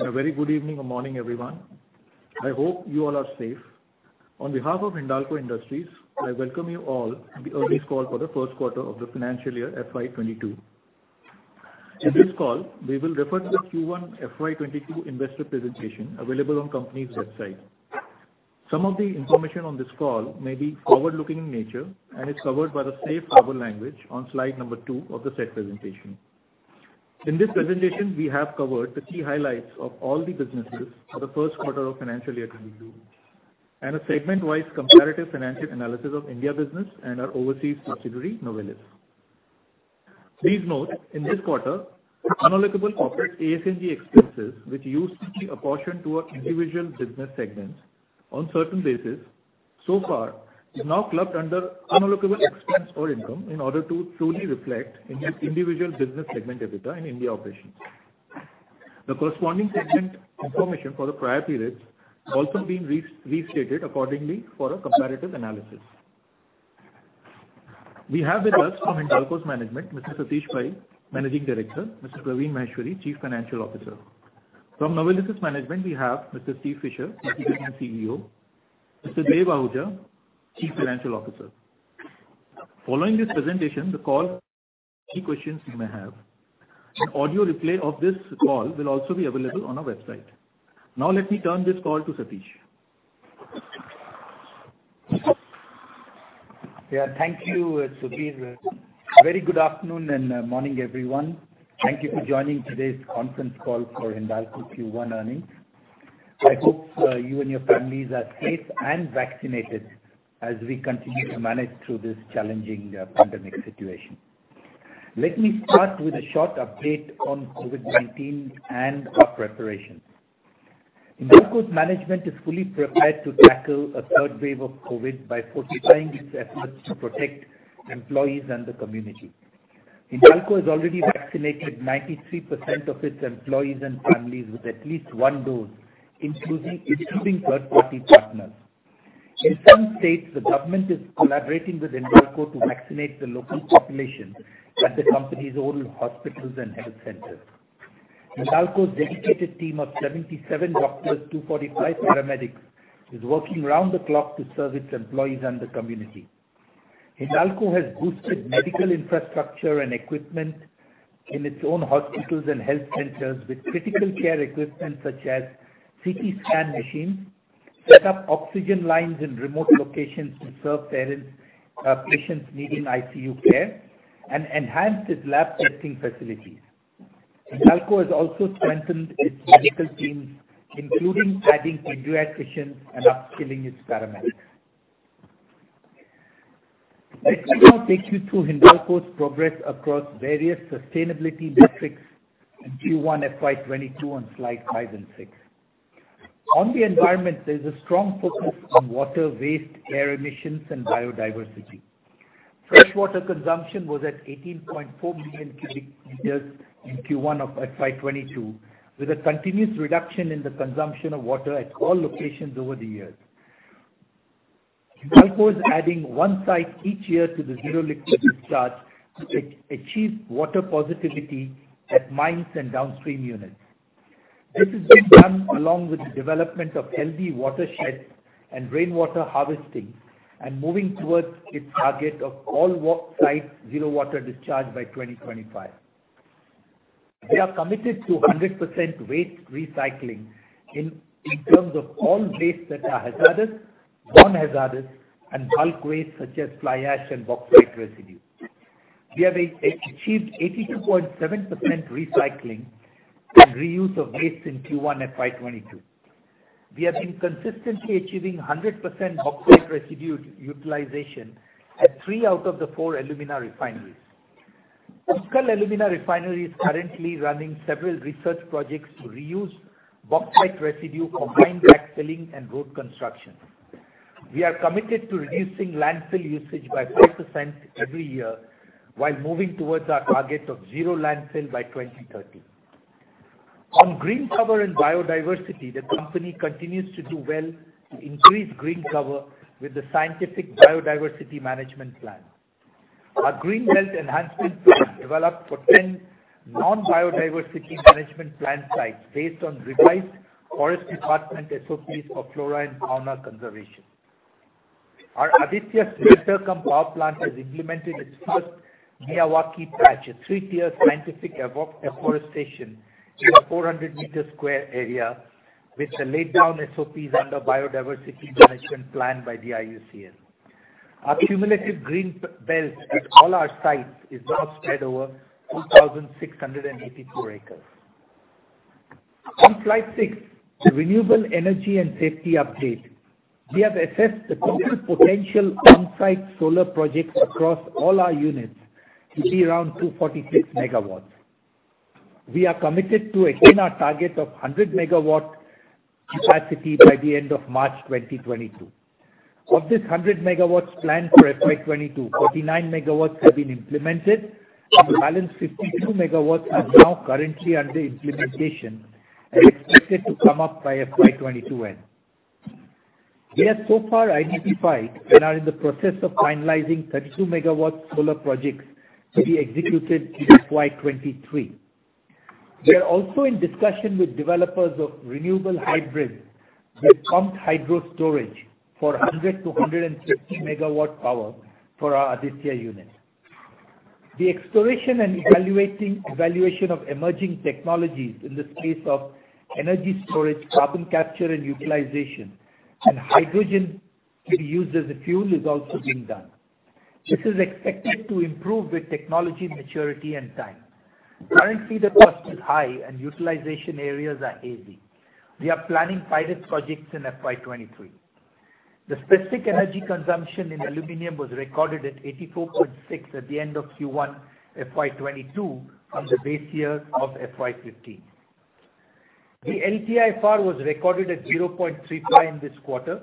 A very good evening and morning, everyone. I hope you all are safe. On behalf of Hindalco Industries, I welcome you all to the earnings call for the first quarter of the financial year FY 2022. In this call, we will refer to the Q1 FY22 investor presentation available on company's website. Some of the information on this call may be forward-looking in nature and is covered by the safe harbor language on slide number two of the said presentation. In this presentation, we have covered the key highlights of all the businesses for the first quarter of financial year FY 2022, and a segment-wise comparative financial analysis of India business and our overseas subsidiary, Novelis. Please note, in this quarter, unallocable corporate AS&G expenses, which used to be apportioned to our individual business segments on certain basis so far, is now clubbed under unallocable expense or income in order to truly reflect individual business segment EBITDA in India operations. The corresponding segment information for the prior periods have also been restated accordingly for a comparative analysis. We have with us from Hindalco's management, Mr. Satish Pai, Managing Director, Mr. Praveen Maheshwari, Chief Financial Officer. From Novelis' management, we have Mr. Steve Fisher, President and CEO, Mr. Dev Ahuja, Chief Financial Officer. Following this presentation, the call any questions you may have. An audio replay of this call will also be available on our website. Now let me turn this call to Satish. Thank you, Subir. A very good afternoon and morning, everyone. Thank you for joining today's conference call for Hindalco's Q1 earnings. I hope you and your families are safe and vaccinated as we continue to manage through this challenging pandemic situation. Let me start with a short update on COVID-19 and our preparations. Hindalco's management is fully prepared to tackle a third wave of COVID by fortifying its efforts to protect employees and the community. Hindalco has already vaccinated 93% of its employees and families with at least one dose, including third-party partners. In some states, the government is collaborating with Hindalco to vaccinate the local population at the company's own hospitals and health centers. Hindalco's dedicated team of 77 doctors, 245 paramedics is working round the clock to serve its employees and the community. Hindalco has boosted medical infrastructure and equipment in its own hospitals and health centers with critical care equipment such as CT scan machines, set up oxygen lines in remote locations to serve patients needing ICU care, and enhanced its lab testing facilities. Hindalco has also strengthened its medical teams, including adding pediatricians and upskilling its paramedics. Let me now take you through Hindalco's progress across various sustainability metrics in Q1 FY 2022 on slides five and six. On the environment, there's a strong focus on water, waste, air emissions, and biodiversity. Fresh water consumption was at 18.4 million cubic meters in Q1 of FY 2022, with a continuous reduction in the consumption of water at all locations over the years. Hindalco is adding one site each year to the zero liquid discharge to achieve water positivity at mines and downstream units. This is being done along with the development of healthy watersheds and rainwater harvesting and moving towards its target of all site zero liquid discharge by 2025. We are committed to 100% waste recycling in terms of all waste that are hazardous, non-hazardous, and bulk waste such as fly ash and bauxite residue. We have achieved 82.7% recycling and reuse of waste in Q1 FY2022. We have been consistently achieving 100% bauxite residue utilization at three out of the four alumina refineries. Utkal Alumina Refinery is currently running several research projects to reuse bauxite residue for mine backfilling and road construction. We are committed to reducing landfill usage by 5% every year while moving towards our target of zero landfill by 2030. On green cover and biodiversity, the company continues to do well to increase green cover with the scientific biodiversity management plan. Our green belt enhancement plan developed for 10 non-biodiversity management plan sites based on revised forest department SOPs for flora and fauna conservation. Our Aditya Sirpur thermal power plant has implemented its first Miyawaki patch, a three-tier scientific afforestation in a 400 sq m area with the laid-down SOPs under biodiversity management plan by the IUCN. Our cumulative green belt at all our sites is now spread over 2,684 acres. On slide six, the renewable energy and safety update. We have assessed the total potential on-site solar projects across all our units to be around 246 MW. We are committed to attain our target of 100 MW capacity by the end of March 2022. Of this 100 MW planned for FY 2022, 49 MW have been implemented and the balance 52 MW are now currently under implementation and expected to come up by FY 2022 end. We have so far identified and are in the process of finalizing 32 MW solar projects to be executed in FY 2023. We are also in discussion with developers of renewable hybrids with pumped hydro storage for 100-150 MW power for our Aditya unit. The exploration and evaluation of emerging technologies in the space of energy storage, carbon capture and utilization, and hydrogen to be used as a fuel is also being done. This is expected to improve with technology maturity and time. Currently, the cost is high and utilization areas are hazy. We are planning pilot projects in FY 2023. The specific energy consumption in aluminium was recorded at 84.6 at the end of Q1 FY 2022 on the base year of FY 2015. The LTIFR was recorded at 0.35 this quarter.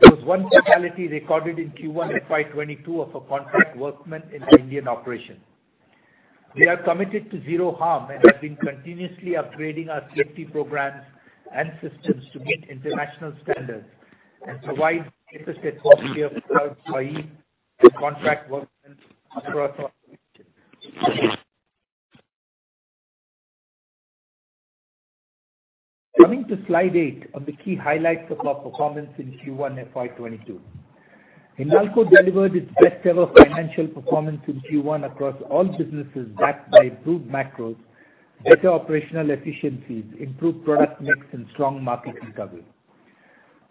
There was one fatality recorded in Q1 FY 2022 of a contract workman in an Indian operation. We are committed to zero harm and have been continuously upgrading our safety programs and systems to meet international standards and provide safer stakeholders for our employees and contract work across our operations. Coming to slide eight of the key highlights of our performance in Q1 FY 2022. Hindalco delivered its best ever financial performance in Q1 across all businesses, backed by improved macros, better operational efficiencies, improved product mix, and strong market recovery.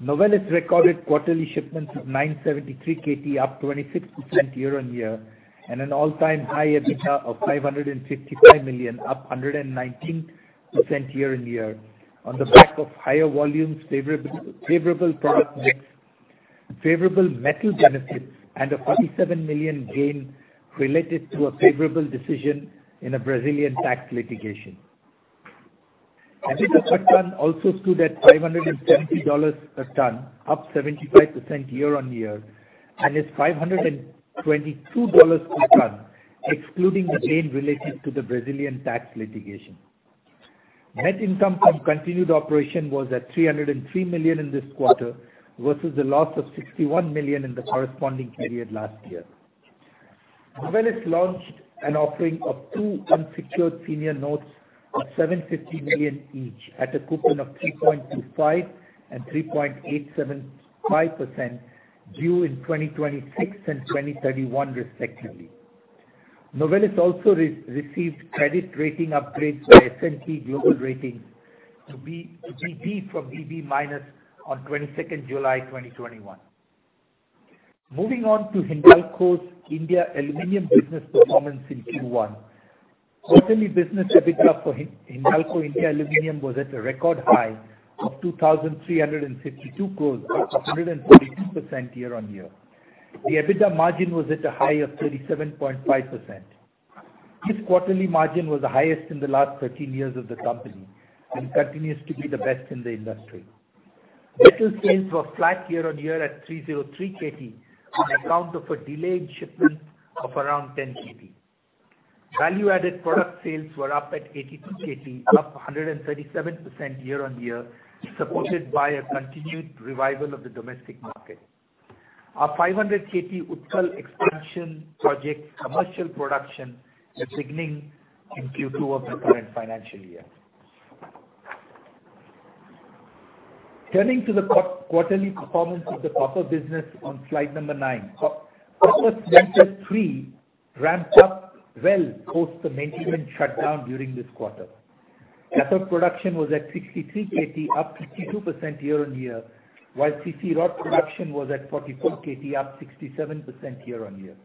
Novelis recorded quarterly shipments of 973 KT, up 26% year-on-year, and an all time high EBITDA of $555 million, up 119% year-on-year on the back of higher volumes, favorable product mix, favorable metal benefits, and a $47 million gain related to a favorable decision in a Brazilian tax litigation. EBITDA per ton also stood at $570 a ton, up 75% year-on-year, and is $522 per ton, excluding the gain related to the Brazilian tax litigation. Net income from continued operation was at $303 million in this quarter versus a loss of $61 million in the corresponding period last year. Novelis launched an offering of two unsecured senior notes of $750 million each at a coupon of 3.25% and 3.875% due in 2026 and 2031 respectively. Novelis also received credit rating upgrades by S&P Global Ratings to BB from BB minus on 22nd July 2021. Moving on to Hindalco's India Aluminum business performance in Q1. Quarterly business EBITDA for Hindalco India Aluminum was at a record high of 2,352 crores, up 142% year-on-year. The EBITDA margin was at a high of 37.5%. This quarterly margin was the highest in the last 13 years of the company and continues to be the best in the industry. Metal sales were flat year-on-year at 303 KT on account of a delayed shipment of around 10 KT. Value added product sales were up at 82 KT, up 137% year-on-year, supported by a continued revival of the domestic market. Our 500 KT Utkal expansion project commercial production is beginning in Q2 of the current financial year. Turning to the quarterly performance of the copper business on slide number nine. Copper Smelter Three ramped up well post the maintenance shutdown during this quarter. Copper production was at 63 KT, up 52% year-on-year, while CC rod production was at 44 KT, up 67% year-on-year.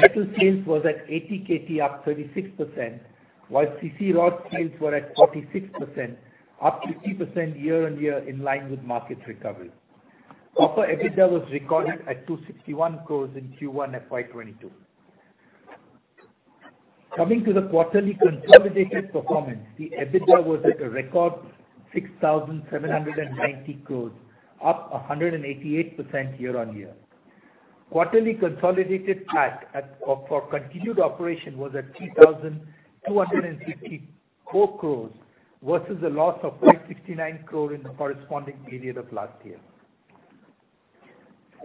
Metal sales was at 80 KT, up 36%, while CC rod sales were at 46%, up 50% year-on-year in line with market recovery. Copper EBITDA was recorded at 261 crores in Q1 FY 2022. Coming to the quarterly consolidated performance, the EBITDA was at a record 6,790 crores, up 188% YoY. Quarterly consolidated PAT for continued operation was at 2,264 crores versus a loss of 569 crore in the corresponding period of last year.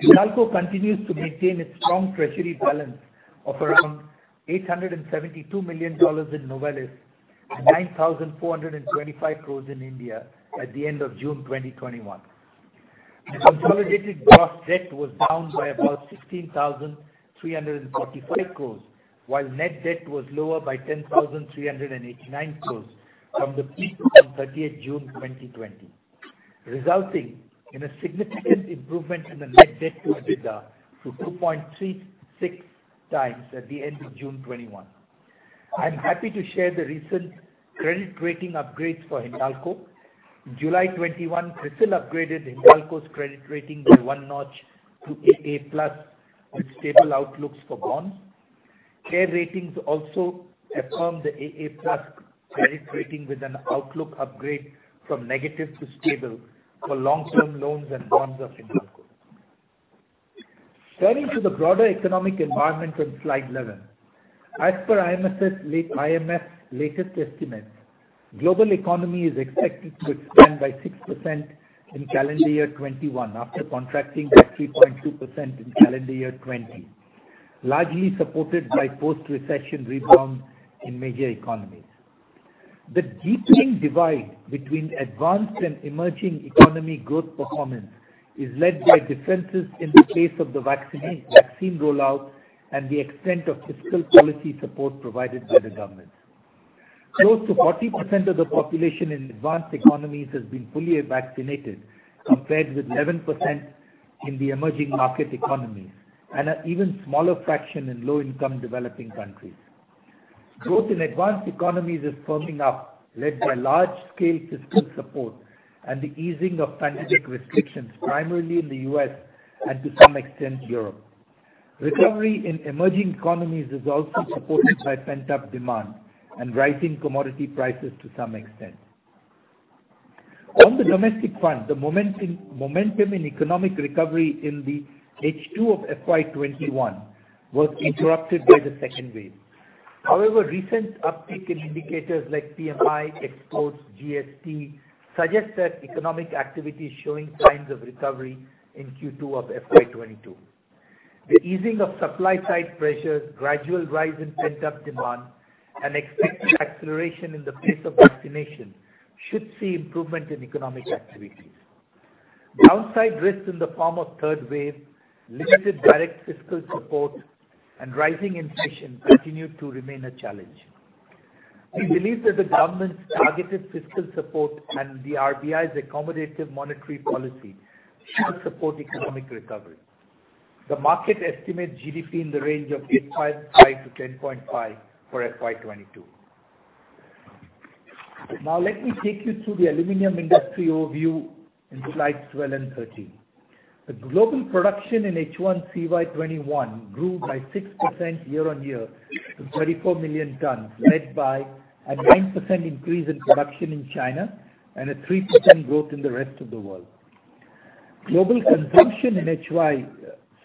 Hindalco continues to maintain its strong treasury balance of around $872 million in Novelis and 9,425 crores in India at the end of June 2021. The consolidated gross debt was down by about 16,345 crores, while net debt was lower by 10,389 crores from the peak on 30th June 2020, resulting in a significant improvement in the net debt to EBITDA to 2.36x at the end of June 2021. I'm happy to share the recent credit rating upgrades for Hindalco. In July 2021, CRISIL upgraded Hindalco's credit rating by one notch to AA+ with stable outlooks for bonds. Care Ratings also affirmed the AA+ credit rating with an outlook upgrade from negative to stable for long term loans and bonds of Hindalco. Turning to the broader economic environment on slide 11. As per IMF's latest estimates, global economy is expected to expand by 6% in calendar year 2021, after contracting by 3.2% in calendar year 2020, largely supported by post-recession rebound in major economies. The deepening divide between advanced and emerging economy growth performance is led by differences in the pace of the vaccine rollout and the extent of fiscal policy support provided by the governments. Close to 40% of the population in advanced economies has been fully vaccinated, compared with 11% in the emerging market economies, and an even smaller fraction in low-income developing countries. Growth in advanced economies is firming up, led by large-scale fiscal support and the easing of pandemic restrictions, primarily in the U.S. and to some extent, Europe. Recovery in emerging economies is also supported by pent-up demand and rising commodity prices to some extent. On the domestic front, the momentum in economic recovery in the H2 of FY 2021 was interrupted by the second wave. Recent uptick in indicators like PMI, exports, GST suggest that economic activity is showing signs of recovery in Q2 of FY 2022. The easing of supply-side pressures, gradual rise in pent-up demand, and expected acceleration in the pace of vaccination should see improvement in economic activities. Downside risks in the form of third wave, limited direct fiscal support, and rising inflation continue to remain a challenge. We believe that the government's targeted fiscal support and the RBI's accommodative monetary policy should support economic recovery. The market estimates GDP in the range of 8.5%-10.5% for FY 2022. Now let me take you through the aluminum industry overview in slides 12 and 13. The global production in H1 CY21 grew by 6% year-on-year to 34 million tons, led by a 9% increase in production in China and a 3% growth in the rest of the world. Global consumption in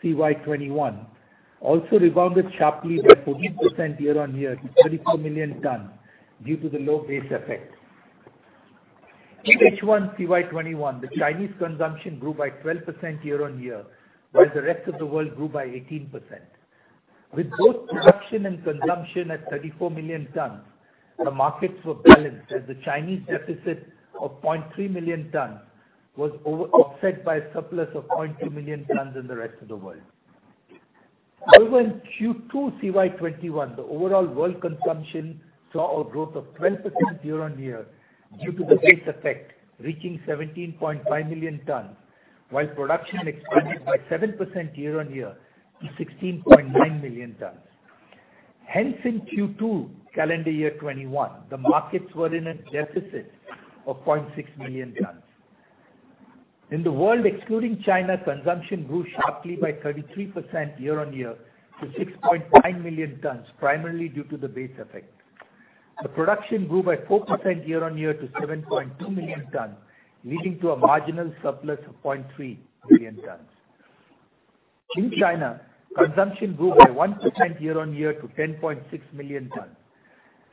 CY21 also rebounded sharply by 14% year-on-year to 34 million tons due to the low base effect. In H1 CY21, the Chinese consumption grew by 12% year-on-year, while the rest of the world grew by 18%. With both production and consumption at 34 million tons, the markets were balanced as the Chinese deficit of 0.3 million tons was offset by a surplus of 0.2 million tons in the rest of the world. Over in Q2 CY21, the overall world consumption saw a growth of 12% year-on-year due to the base effect, reaching 17.5 million tons, while production expanded by 7% year-on-year to 16.9 million tons. In Q2 calendar year '21, the markets were in a deficit of 0.6 million tons. In the world excluding China, consumption grew sharply by 33% year-on-year to 6.5 million tons, primarily due to the base effect. The production grew by 4% year-on-year to 7.2 million tons, leading to a marginal surplus of 0.3 million tons. In China, consumption grew by 1% year-on-year to 10.6 million tons.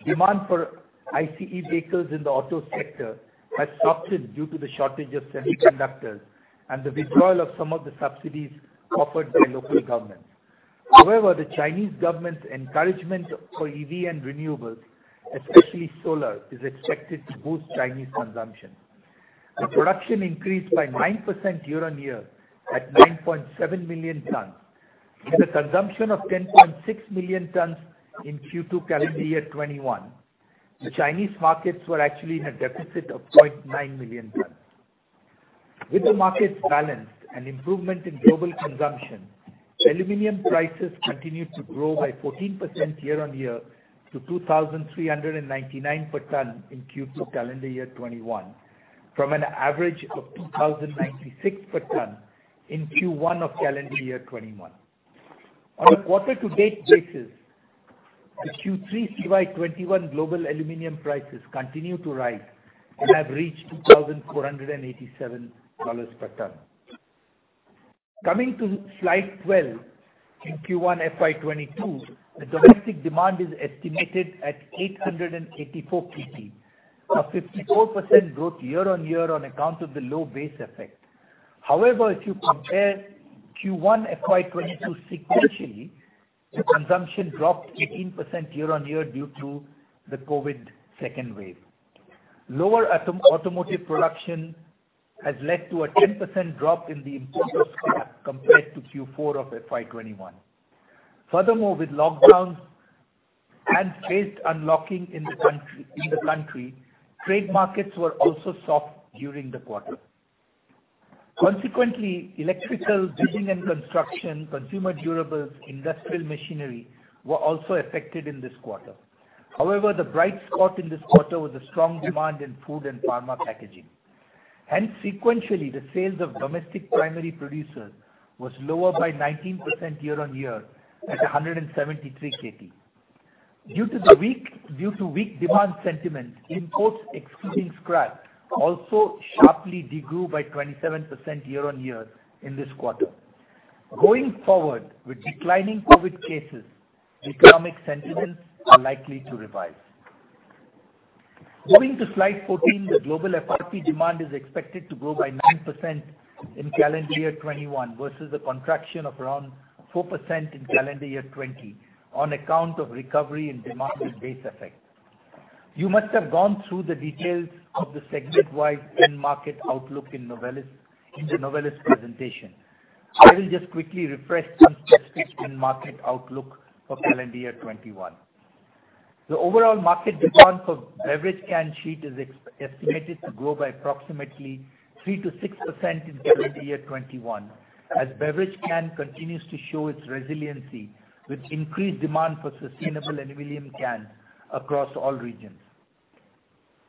Demand for ICE vehicles in the auto sector has softened due to the shortage of semiconductors and the withdrawal of some of the subsidies offered by local governments. The Chinese government's encouragement for EV and renewables, especially solar, is expected to boost Chinese consumption. The production increased by 9% year-on-year at 9.7 million tons. With a consumption of 10.6 million tons in Q2 calendar year 2021, the Chinese markets were actually in a deficit of 0.9 million tons. With the markets balanced and improvement in global consumption, aluminum prices continued to grow by 14% year-on-year to $2,399 per ton in Q2 calendar year 2021 from an average of $2,096 per ton in Q1 of calendar year 2021. On a quarter-to-date basis, the Q3 CY 2021 global aluminum prices continue to rise and have reached $2,487 per ton. Coming to slide 12, in Q1 FY 2022, the domestic demand is estimated at 884 KT, a 54% growth year-on-year on account of the low base effect. If you compare Q1 FY 2022 sequentially, the consumption dropped 18% year-on-year due to the COVID second wave. Lower automotive production has led to a 10% drop in the import of scrap compared to Q4 of FY 2021. With lockdowns and phased unlocking in the country, trade markets were also soft during the quarter. Electrical, Building and Construction, consumer durables, industrial machinery were also affected in this quarter. The bright spot in this quarter was the strong demand in food and pharma packaging. Sequentially, the sales of domestic primary producer was lower by 19% year-on-year at 173 KT. Due to weak demand sentiment, imports excluding scrap also sharply de-grew by 27% year-on-year in this quarter. Going forward, with declining COVID cases, economic sentiments are likely to revise. Moving to slide 14, the global FRP demand is expected to grow by 9% in calendar year 2021 versus a contraction of around 4% in calendar year 2020 on account of recovery in demand and base effect. You must have gone through the details of the segment-wide end market outlook in the Novelis presentation. I will just quickly refresh some statistics end market outlook for calendar year 2021. The overall market demand for beverage can sheet is estimated to grow by approximately 3%-6% in calendar year 2021, as beverage can continues to show its resiliency with increased demand for sustainable aluminum cans across all regions.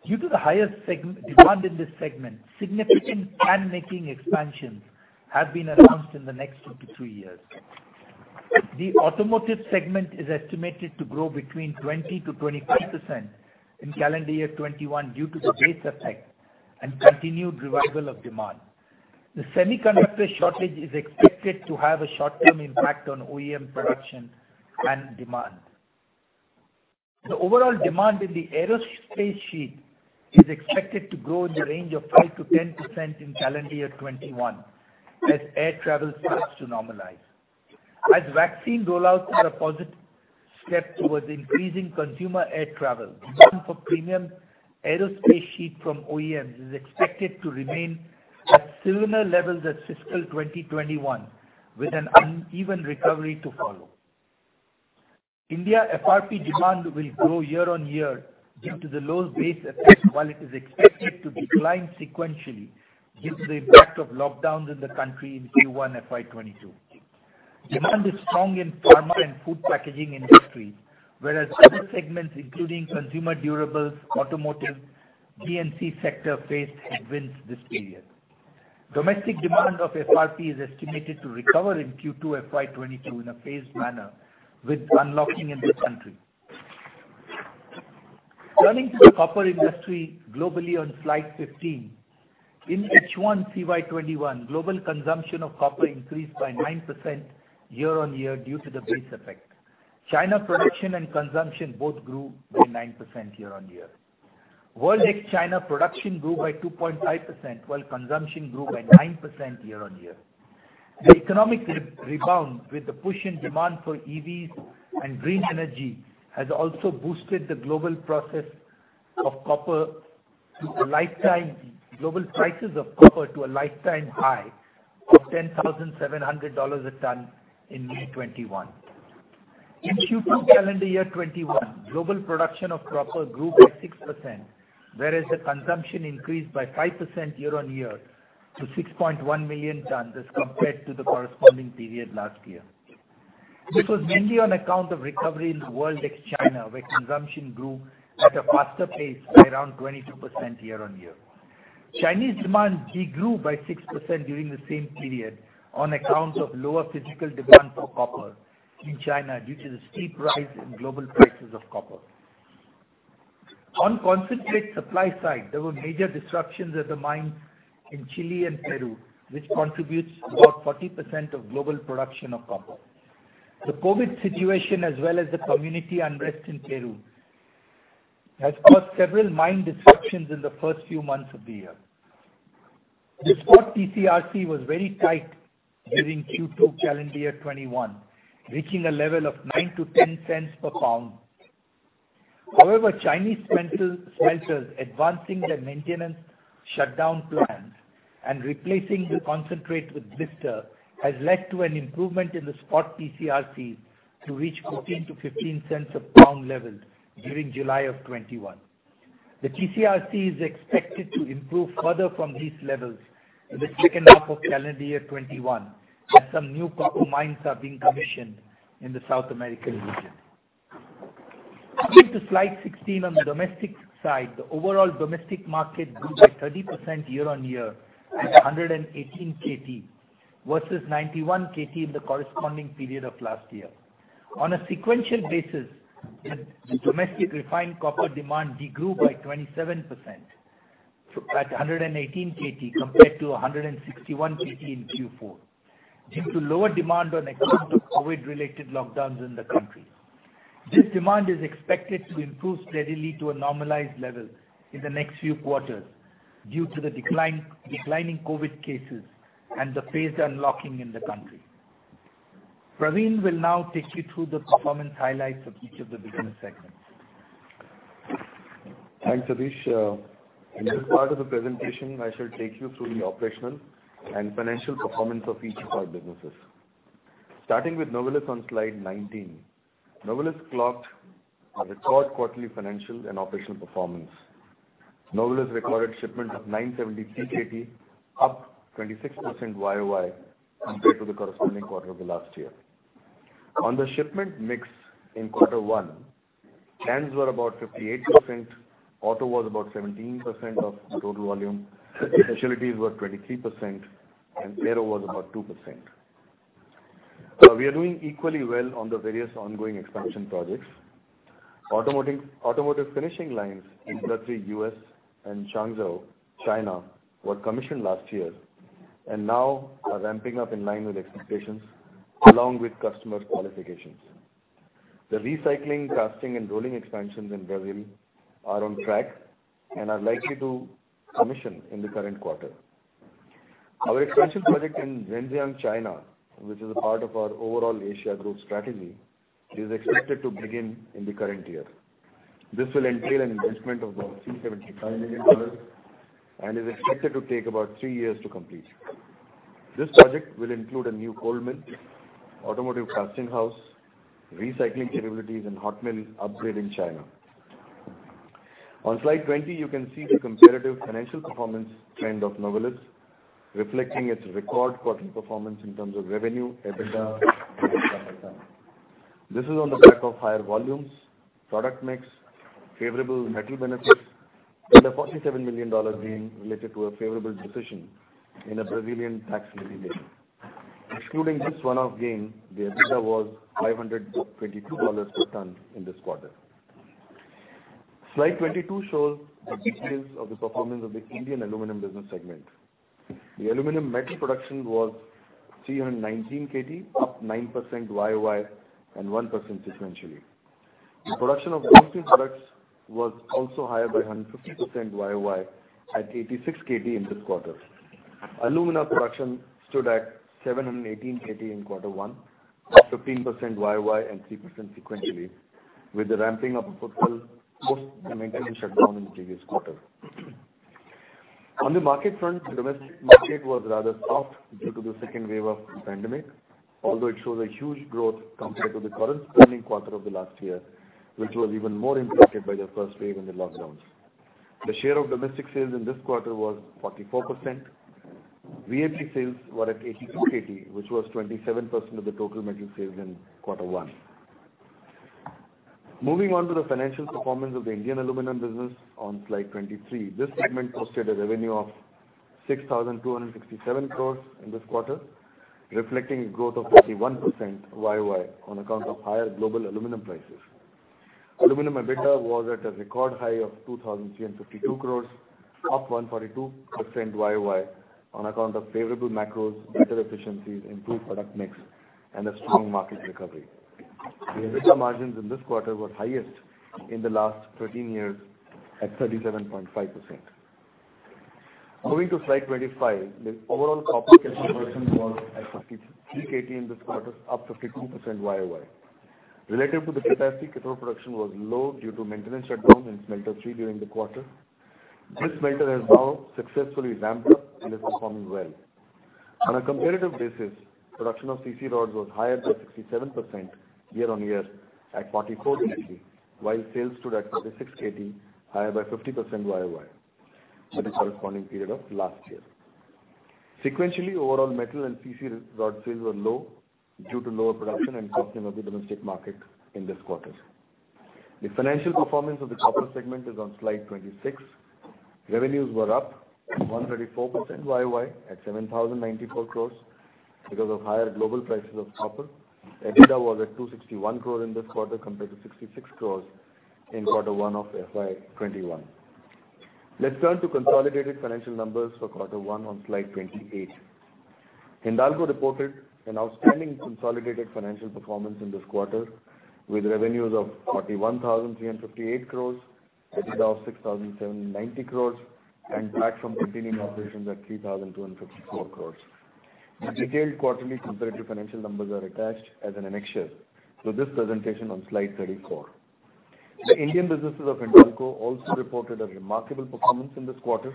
Due to the highest demand in this segment, significant can-making expansions have been announced in the next two to three years. The automotive segment is estimated to grow between 20%-25% in calendar year 2021 due to the base effect and continued revival of demand. The semiconductor shortage is expected to have a short-term impact on OEM production and demand. The overall demand in the aerospace sheet is expected to grow in the range of 5%-10% in calendar year 2021 as air travel starts to normalize. As vaccine rollouts are a positive step towards increasing consumer air travel, demand for premium aerospace sheet from OEMs is expected to remain at similar levels as fiscal 2021, with an uneven recovery to follow. India FRP demand will grow year-on-year due to the low base effect, while it is expected to decline sequentially due to the impact of lockdowns in the country in Q1 FY 2022. Demand is strong in pharma and food packaging industries, whereas other segments including consumer durables, automotive, B&C sector faced headwinds this period. Domestic demand of FRP is estimated to recover in Q2 FY 2022 in a phased manner with unlocking in this country. Turning to the copper industry globally on slide 15. In H1 CY 2021, global consumption of copper increased by 9% year-over-year due to the base effect. China production and consumption both grew by 9% year-over-year. World ex-China production grew by 2.5%, while consumption grew by 9% year-over-year. The economic rebound with the push in demand for EVs and green energy has also boosted the global prices of copper to a lifetime high of $10,700 a ton in May 2021. In Q2 calendar year 2021, global production of copper grew by 6%, whereas the consumption increased by 5% year-on-year to 6.1 million tons as compared to the corresponding period last year. This was mainly on account of recovery in world ex-China, where consumption grew at a faster pace by around 22% year-on-year. Chinese demand de-grew by 6% during the same period on accounts of lower physical demand for copper in China due to the steep rise in global prices of copper. On concentrate supply side, there were major disruptions at the mines in Chile and Peru, which contributes about 40% of global production of copper. The COVID situation as well as the community unrest in Peru has caused several mine disruptions in the first few months of the year. The spot TCRC was very tight during Q2 calendar year 2021, reaching a level of 0.09-0.10 per pound. Chinese smelters advancing their maintenance shutdown plans and replacing the concentrate with blister has led to an improvement in the spot TCRC to reach $0.14-$0.16 a pound level during July 2021. The TCRC is expected to improve further from these levels in the second half of calendar year 2021, as some new copper mines are being commissioned in the South American region. Moving to slide 16 on the domestic side, the overall domestic market grew by 30% year-on-year at 118 KT versus 91 KT in the corresponding period of last year. On a sequential basis, the domestic refined copper demand de-grew by 27% at 118 KT compared to 161 KT in Q4, due to lower demand on account of COVID-19 related lockdowns in the country. This demand is expected to improve steadily to a normalized level in the next few quarters due to the declining COVID cases and the phased unlocking in the country. Praveen will now take you through the performance highlights of each of the business segments. Thanks, Satish. In this part of the presentation, I shall take you through the operational and financial performance of each of our businesses. Starting with Novelis on slide 19. Novelis clocked a record quarterly financial and operational performance. Novelis recorded shipments of 973 KT, up 26% YOY compared to the corresponding quarter of the last year. On the shipment mix in Q1, cans were about 58%, auto was about 17% of the total volume, speciality was 23%, and aero was about 2%. We are doing equally well on the various ongoing expansion projects. Automotive finishing lines in Guthrie, U.S., and Changzhou, China, were commissioned last year and now are ramping up in line with expectations, along with customer qualifications. The recycling, casting and rolling expansions in Brazil are on track and are likely to commission in the current quarter. Our expansion project in Zhenjiang, China, which is a part of our overall Asia growth strategy, is expected to begin in the current year. This will entail an investment of about $375 million and is expected to take about three years to complete. This project will include a new cold mill, automotive casting house, recycling capabilities and hot mill upgrade in China. On slide 20, you can see the comparative financial performance trend of Novelis reflecting its record quarter performance in terms of revenue, EBITDA, and net income. This is on the back of higher volumes, product mix, favorable metal benefits, and a $47 million gain related to a favorable decision in a Brazilian tax litigation. Excluding this one-off gain, the EBITDA was $522 per ton in this quarter. Slide 22 shows the details of the performance of the Indian aluminum business segment. The aluminum metal production was 319 KT, up 9% YoY and 1% sequentially. The production of downstream products was also higher by 150% YoY at 86 KT in this quarter. Alumina production stood at 718 KT in quarter one, up 15% YoY and 3% sequentially, with the ramping up of 50 post the maintenance shutdown in the previous quarter. On the market front, the domestic market was rather soft due to the second wave of the pandemic, although it shows a huge growth compared to the corresponding quarter of the last year, which was even more impacted by the first wave and the lockdowns. The share of domestic sales in this quarter was 44%. VAP sales were at 82 KT, which was 27% of the total metal sales in quarter one. Moving on to the financial performance of the Indian aluminum business on Slide 23. This segment posted a revenue of 6,267 crore in this quarter, reflecting a growth of 41% YoY on account of higher global aluminum prices. Aluminum EBITDA was at a record high of 2,352 crore, up 142% YoY on account of favorable macros, better efficiencies, improved product mix, and a strong market recovery. The EBITDA margins in this quarter were highest in the last 13 years at 37.5%. Moving to slide 25. The overall copper production was at 53 KT in this quarter, up 52% YoY. Related to the capacity, cathode production was low due to maintenance shutdown in smelter Three during the quarter. This smelter has now successfully ramped up and is performing well. On a comparative basis, production of CC rods was higher by 67% year on year at 44 KT, while sales stood at 36 KT, higher by 50% YoY than the corresponding period of last year. Sequentially, overall metal and CC rod sales were low due to lower production and softening of the domestic market in this quarter. The financial performance of the copper segment is on slide 26. Revenues were up 134% YoY at 7,094 crores because of higher global prices of copper. EBITDA was at 261 crore in this quarter, compared to 66 crores in quarter one of FY 2021. Let's turn to consolidated financial numbers for quarter one on slide 28. Hindalco reported an outstanding consolidated financial performance in this quarter with revenues of 41,358 crores, EBITDA of 6,790 crores and PAT from continuing operations at 3,254 crores. The detailed quarterly comparative financial numbers are attached as an annexure to this presentation on slide 34. The Indian businesses of Hindalco also reported a remarkable performance in this quarter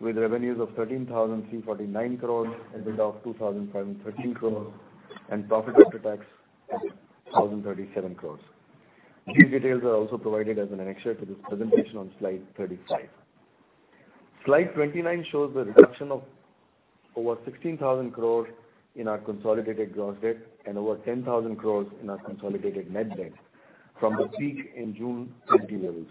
with revenues of 13,349 crores, EBITDA of 2,513 crores and profit after tax at 1,037 crores. These details are also provided as an annexure to this presentation on slide 35. Slide 29 shows the reduction of over 16,000 crore in our consolidated gross debt and over 10,000 crore in our consolidated net debt from the peak in June 2020.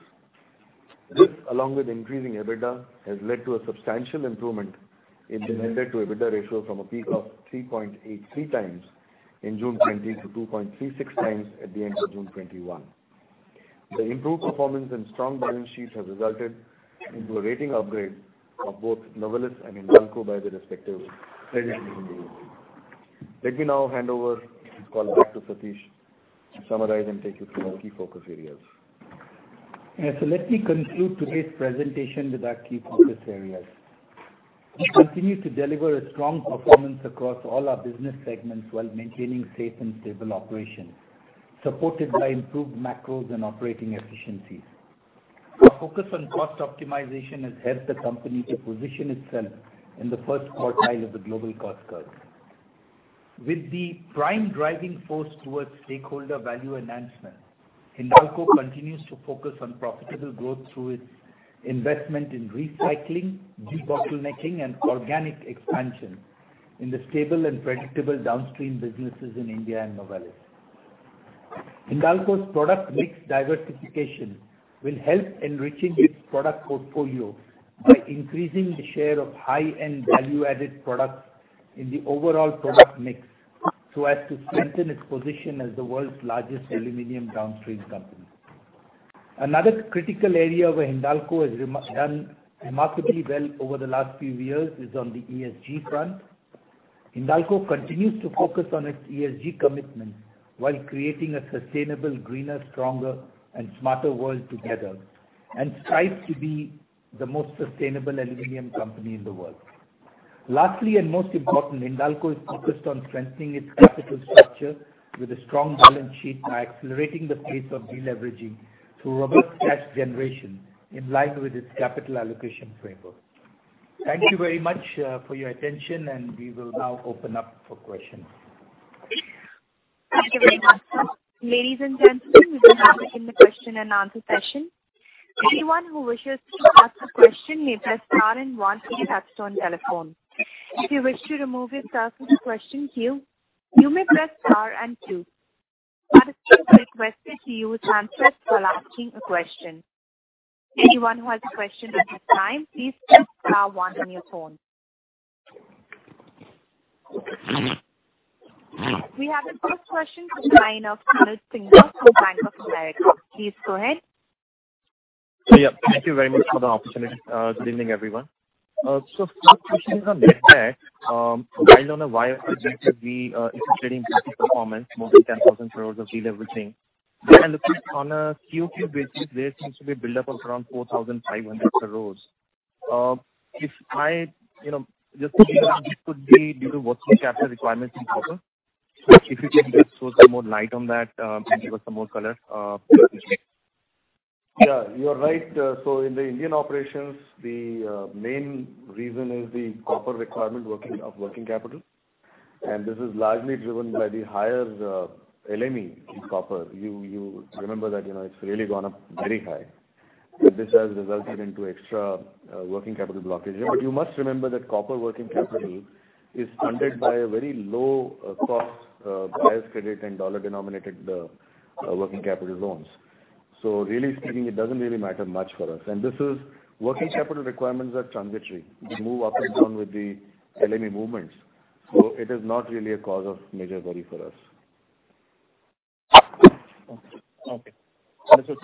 This, along with increasing EBITDA, has led to a substantial improvement in the net debt to EBITDA ratio from a peak of 3.83x in June 2020 to 2.36x at the end of June 2021. The improved performance and strong balance sheets have resulted into a rating upgrade of both Novelis and Hindalco by the respective credit rating agencies. Let me now hand over this call back to Satish to summarize and take you through our key focus areas. Let me conclude today's presentation with our key focus areas. We continue to deliver a strong performance across all our business segments while maintaining safe and stable operations, supported by improved macros and operating efficiencies. Our focus on cost optimization has helped the company to position itself in the first quartile of the global cost curve. With the prime driving force towards stakeholder value enhancement, Hindalco continues to focus on profitable growth through its investment in recycling, debottlenecking, and organic expansion in the stable and predictable downstream businesses in India and Novelis Hindalco's product mix diversification will help enrich its product portfolio by increasing the share of high-end value-added products in the overall product mix, so as to strengthen its position as the world's largest aluminum downstream company. Another critical area where Hindalco has done remarkably well over the last few years is on the ESG front. Hindalco continues to focus on its ESG commitment while creating a sustainable, greener, stronger, and smarter world together. Strives to be the most sustainable aluminum company in the world. Lastly, and most important, Hindalco is focused on strengthening its capital structure with a strong balance sheet by accelerating the pace of de-leveraging through robust cash generation in line with its capital allocation framework. Thank you very much for your attention, and we will now open up for questions. Thank you very much. Ladies and gentlemen, we will now begin the question and answer session. Anyone who wishes to ask a question may press star and one on your touch-tone telephone. If you wish to remove yourself from the question queue, you may press star and two. Participants are requested to use hand sets while asking a question. Anyone who has a question at this time, please press star one on your phone. We have the first question from the line of Sunil Singh from Bank of America. Please go ahead. Thank you very much for the opportunity. Good evening, everyone. First question is on net debt. While on a WACC we are interested in performance more than 10,000 crore of de-leveraging, when I look at on a QoQ basis, there seems to be a build-up of around 4,500 crore. This could be due to working capital requirements in copper. If you can just throw some more light on that and give us some more color. Yeah, you are right. In the Indian operations, the main reason is the copper requirement of working capital. This is largely driven by the higher LME in copper. You remember that it's really gone up very high, and this has resulted into extra working capital blockage. You must remember that copper working capital is funded by a very low-cost buyer's credit and dollar denominated working capital loans. Really speaking, it doesn't really matter much for us. Working capital requirements are transitory. They move up and down with the LME movements. It is not really a cause of major worry for us.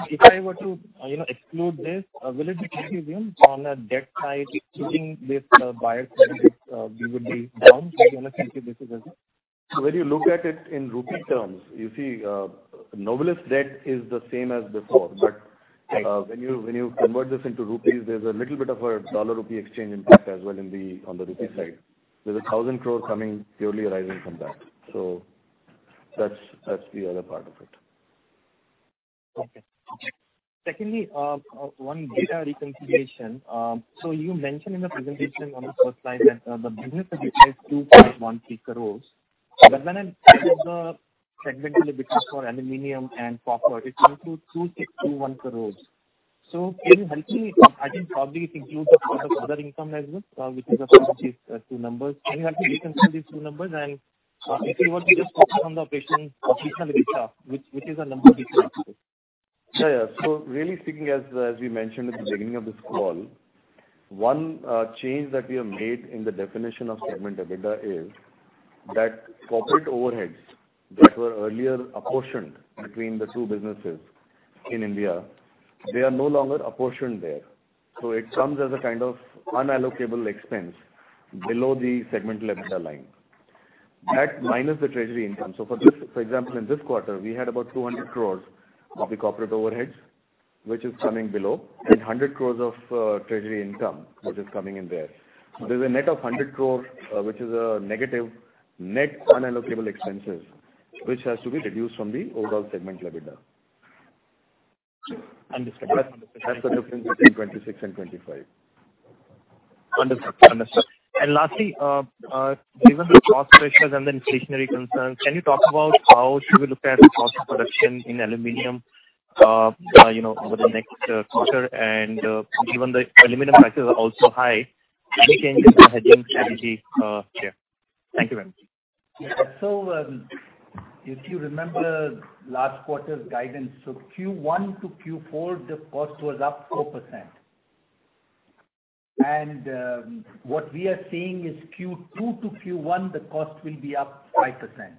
If I were to exclude this, will it be fair to assume on a debt side, keeping this buyer's credit, we would be down on a simple basis? When you look at it in rupee terms, you see Novelis debt is the same as before. Right. When you convert this into INR, there's a little bit of a US dollar-INR exchange impact as well on the INR side. There's a 1,000 crore coming purely arising from that. That's the other part of it. Okay. Secondly, one data reconciliation. You mentioned in the presentation on the first slide that the business EBITDA is 2.13 crores. When I added the segment EBITDAs for aluminium and copper, it came to 2,621 crores. Can you help me, I think probably it includes a lot of other income as well, which is affecting these two numbers. Can you help me reconcile these two numbers and if you want to just focus on the operational EBITDA, which is a number different. Really speaking, as we mentioned at the beginning of this call, one change that we have made in the definition of segment EBITDA is that corporate overheads that were earlier apportioned between the two businesses in India, they are no longer apportioned there. It comes as a kind of unallocated expense below the segmental EBITDA line. That minus the treasury income. For example, in this quarter, we had about 200 crores of the corporate overheads, which is coming below, and 100 crores of treasury income, which is coming in there. There's a net of 100 crore, which is a negative net unallocated expenses, which has to be reduced from the overall segment EBITDA. Understood. That's the difference between 26 and 25. Understood. Lastly, given the cost pressures and the inflationary concerns, can you talk about how should we look at the cost of production in aluminum over the next quarter? Given the aluminum prices are also high, any change in the hedging strategy here? Thank you very much. If you remember last quarter's guidance. Q1 to Q4, the cost was up 4%. What we are seeing is Q2 to Q1, the cost will be up 5%.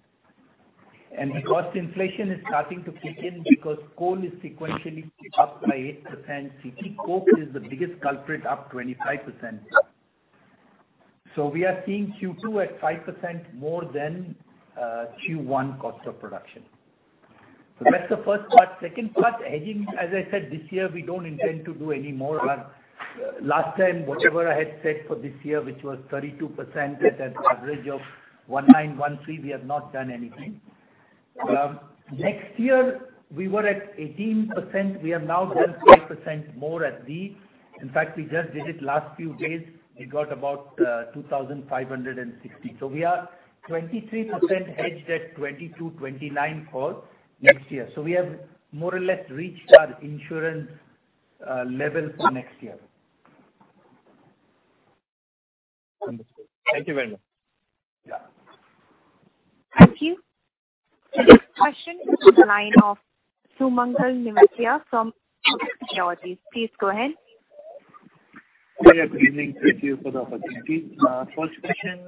The cost inflation is starting to kick in because coal is sequentially up by 8%. CPC is the biggest culprit, up 25%. We are seeing Q2 at 5% more than Q1 cost of production. That's the first part. Second part, hedging, as I said, this year we don't intend to do any more. Last time, whatever I had said for this year, which was 32% at an average of 1,913, we have not done anything. Next year we were at 18%. We have now done 5% more. In fact, we just did it last few days. We got about 2,560. We are 23% hedged at 2,229 for next year. We have more or less reached our insurance level for next year. Understood. Thank you very much. Yeah. Thank you. The next question is on the line of Sumangal Nevatia from Kotak Securities. Please go ahead. Yeah, good evening. Thank you for the opportunity. First question,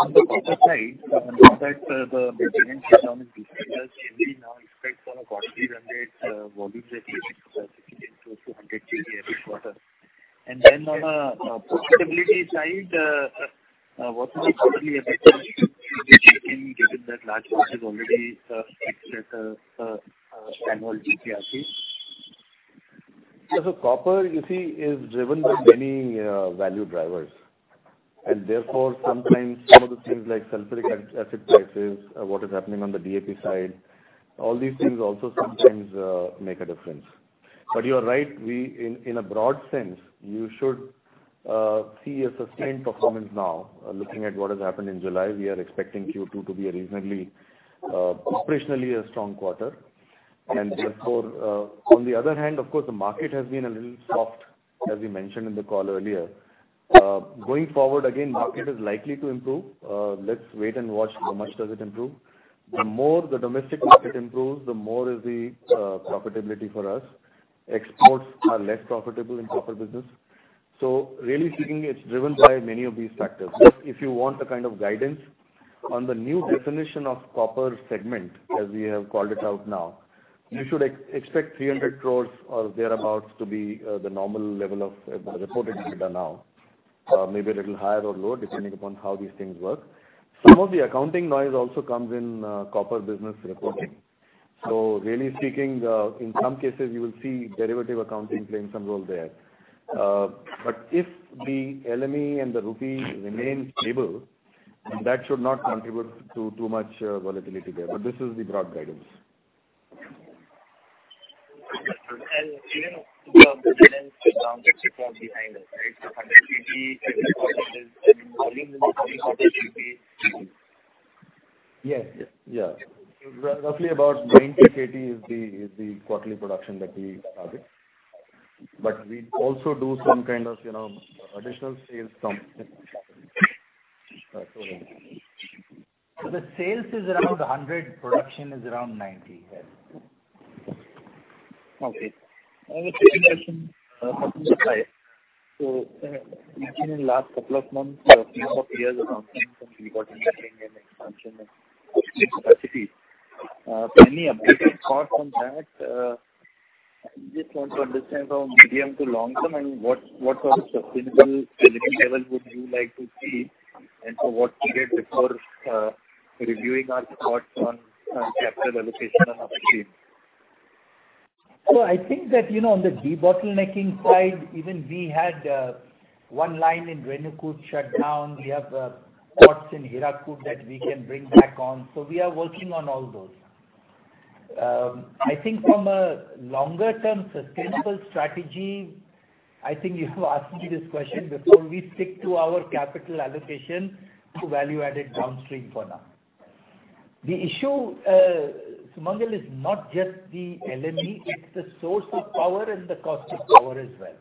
on the copper side, now that the maintenance is down in Birsinghpur, can we now expect on a quarterly run rate, volumes at 18 to 200 KG every quarter? On the profitability side, what is the quarterly EBITDA which we can get if that large portion is already fixed at a annual TCRC? Yeah. Copper, you see, is driven by many value drivers. Therefore sometimes some of the things like sulfuric acid prices, what is happening on the DAP side, all these things also sometimes make a difference. You are right. In a broad sense, you should see a sustained performance now. Looking at what has happened in July, we are expecting Q2 to be operationally a strong quarter. Therefore, on the other hand, of course, the market has been a little soft, as we mentioned in the call earlier. Going forward, again, market is likely to improve. Let's wait and watch how much does it improve. The more the domestic market improves, the more is the profitability for us. Exports are less profitable in copper business. Really speaking, it's driven by many of these factors. If you want a kind of guidance on the new definition of copper segment, as we have called it out now, you should expect 300 crores or thereabouts to be the normal level of reported EBITDA now. Maybe a little higher or lower, depending upon how these things work. Some of the accounting noise also comes in copper business reporting. Really speaking, in some cases you will see derivative accounting playing some role there. If the LME and the rupee remain stable, that should not contribute to too much volatility there. This is the broad guidance. Understood. Even the guidance numbers which were behind us, right, the 100 KG quarterly business and volume in the coming quarter should be similar? Yes. Yeah. Roughly about 90 KT is the quarterly production that we target. We also do some kind of additional sales from different categories. The sales is around 100, production is around 90 here. Okay. I have a second question. Within the last couple of months, a few more peers announcing some debottlenecking and expansion in upstream capacity. Any updated thoughts on that? I just want to understand from medium to long term and what sort of sustainable delivery levels would you like to see, and for what period before reviewing our thoughts on capital allocation on upstream. I think that, on the debottlenecking side, even we had one line in Renukoot shut down. We have pots in Hirakud that we can bring back on. We are working on all those. I think from a longer term sustainable strategy, I think you have asked me this question before. We stick to our capital allocation to value added downstream for now. The issue, Sumangal, is not just the LME, it's the source of power and the cost of power as well.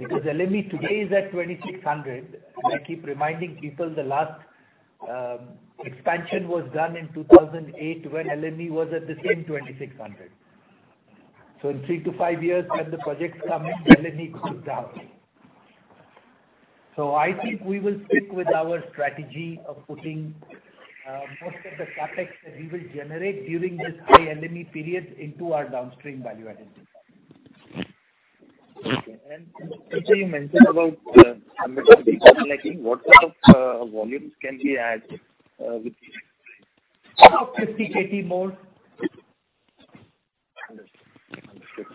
LME today is at 2,600. I keep reminding people the last expansion was done in 2008 when LME was at the same 2,600. In three to five years, when the projects come in, LME goes down. I think we will stick with our strategy of putting most of the CapEx that we will generate during this high LME periods into our downstream value added business. Okay. Sir, you mentioned about ambitious debottlenecking. What sort of volumes can we add with these? Around 50 KT more. Understood.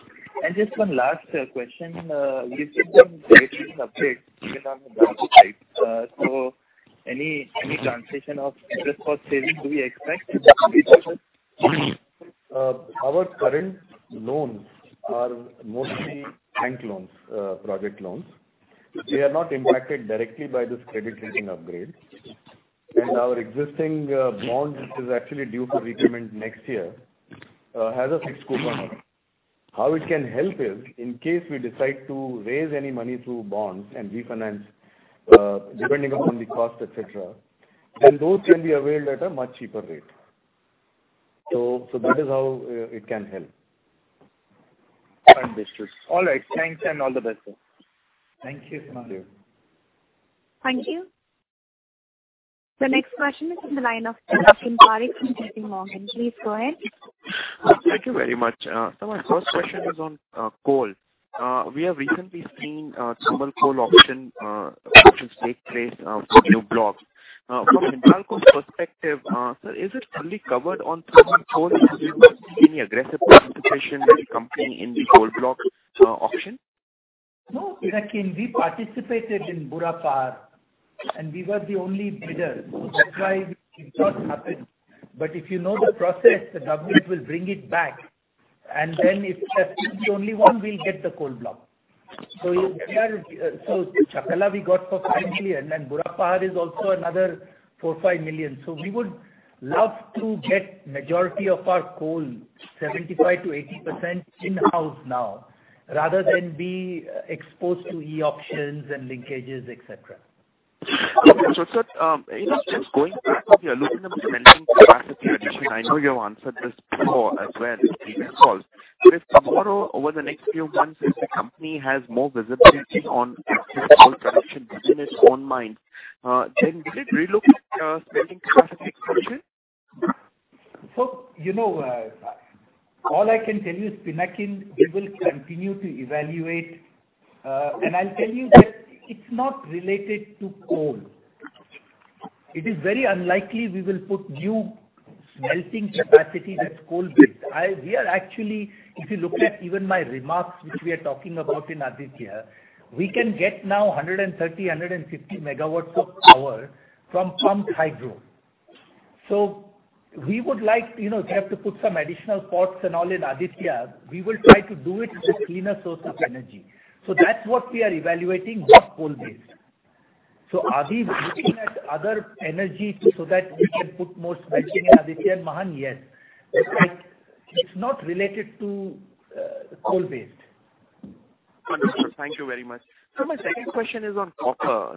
Just one last question. Recent bond rating upgrade even on the bond side. Any transition of interest cost savings do we expect with this upgrade? Our current loans are mostly bank loans, project loans. We are not impacted directly by this credit rating upgrade. Our existing bond, which is actually due for repayment next year, has a fixed coupon on it. How it can help is, in case we decide to raise any money through bonds and refinance, depending upon the cost, et cetera, then those can be availed at a much cheaper rate. That is how it can help. Understood. All right, thanks and all the best, sir. Thank you, Sumangal. Thank you. The next question is on the line of Pinakin Parekh from JPMorgan. Please go ahead. Thank you very much. Sir, my first question is on coal. We have recently seen several coal auction, which has take place for new blocks. From Hindalco's perspective, sir, is it fully covered on coal or do you see any aggressive participation by the company in the coal block auction? No, Pinakin. We participated in Burakhap. We were the only bidder. That's why it did not happen. If you know the process, the government will bring it back, and then if we are the only one, we'll get the coal block. Chakla we got for 5 million, and Burakhap is also another 4 million-5 million. We would love to get majority of our coal, 75%-80% in-house now, rather than be exposed to e-auctions and linkages, et cetera. Okay. Sir, just going back to the aluminium smelting capacity addition, I know you've answered this before as well in previous calls. If tomorrow, over the next few months, if the company has more visibility on accessible production within its own mine, will it relook at spending capacity expansion? All I can tell you, Pinakin, we will continue to evaluate. I'll tell you that it's not related to coal. It is very unlikely we will put new smelting capacity that's coal-based. If you look at even my remarks, which we are talking about in Aditya, we can get now 130, 150 megawatts of power from pumped hydro. We have to put some additional pots and all in Aditya. We will try to do it with cleaner source of energy. That's what we are evaluating, not coal-based. Are we looking at other energy so that we can put more smelting in Aditya Mahan? Yes. It's not related to coal-based. Understood. Thank you very much. Sir, my second question is on copper.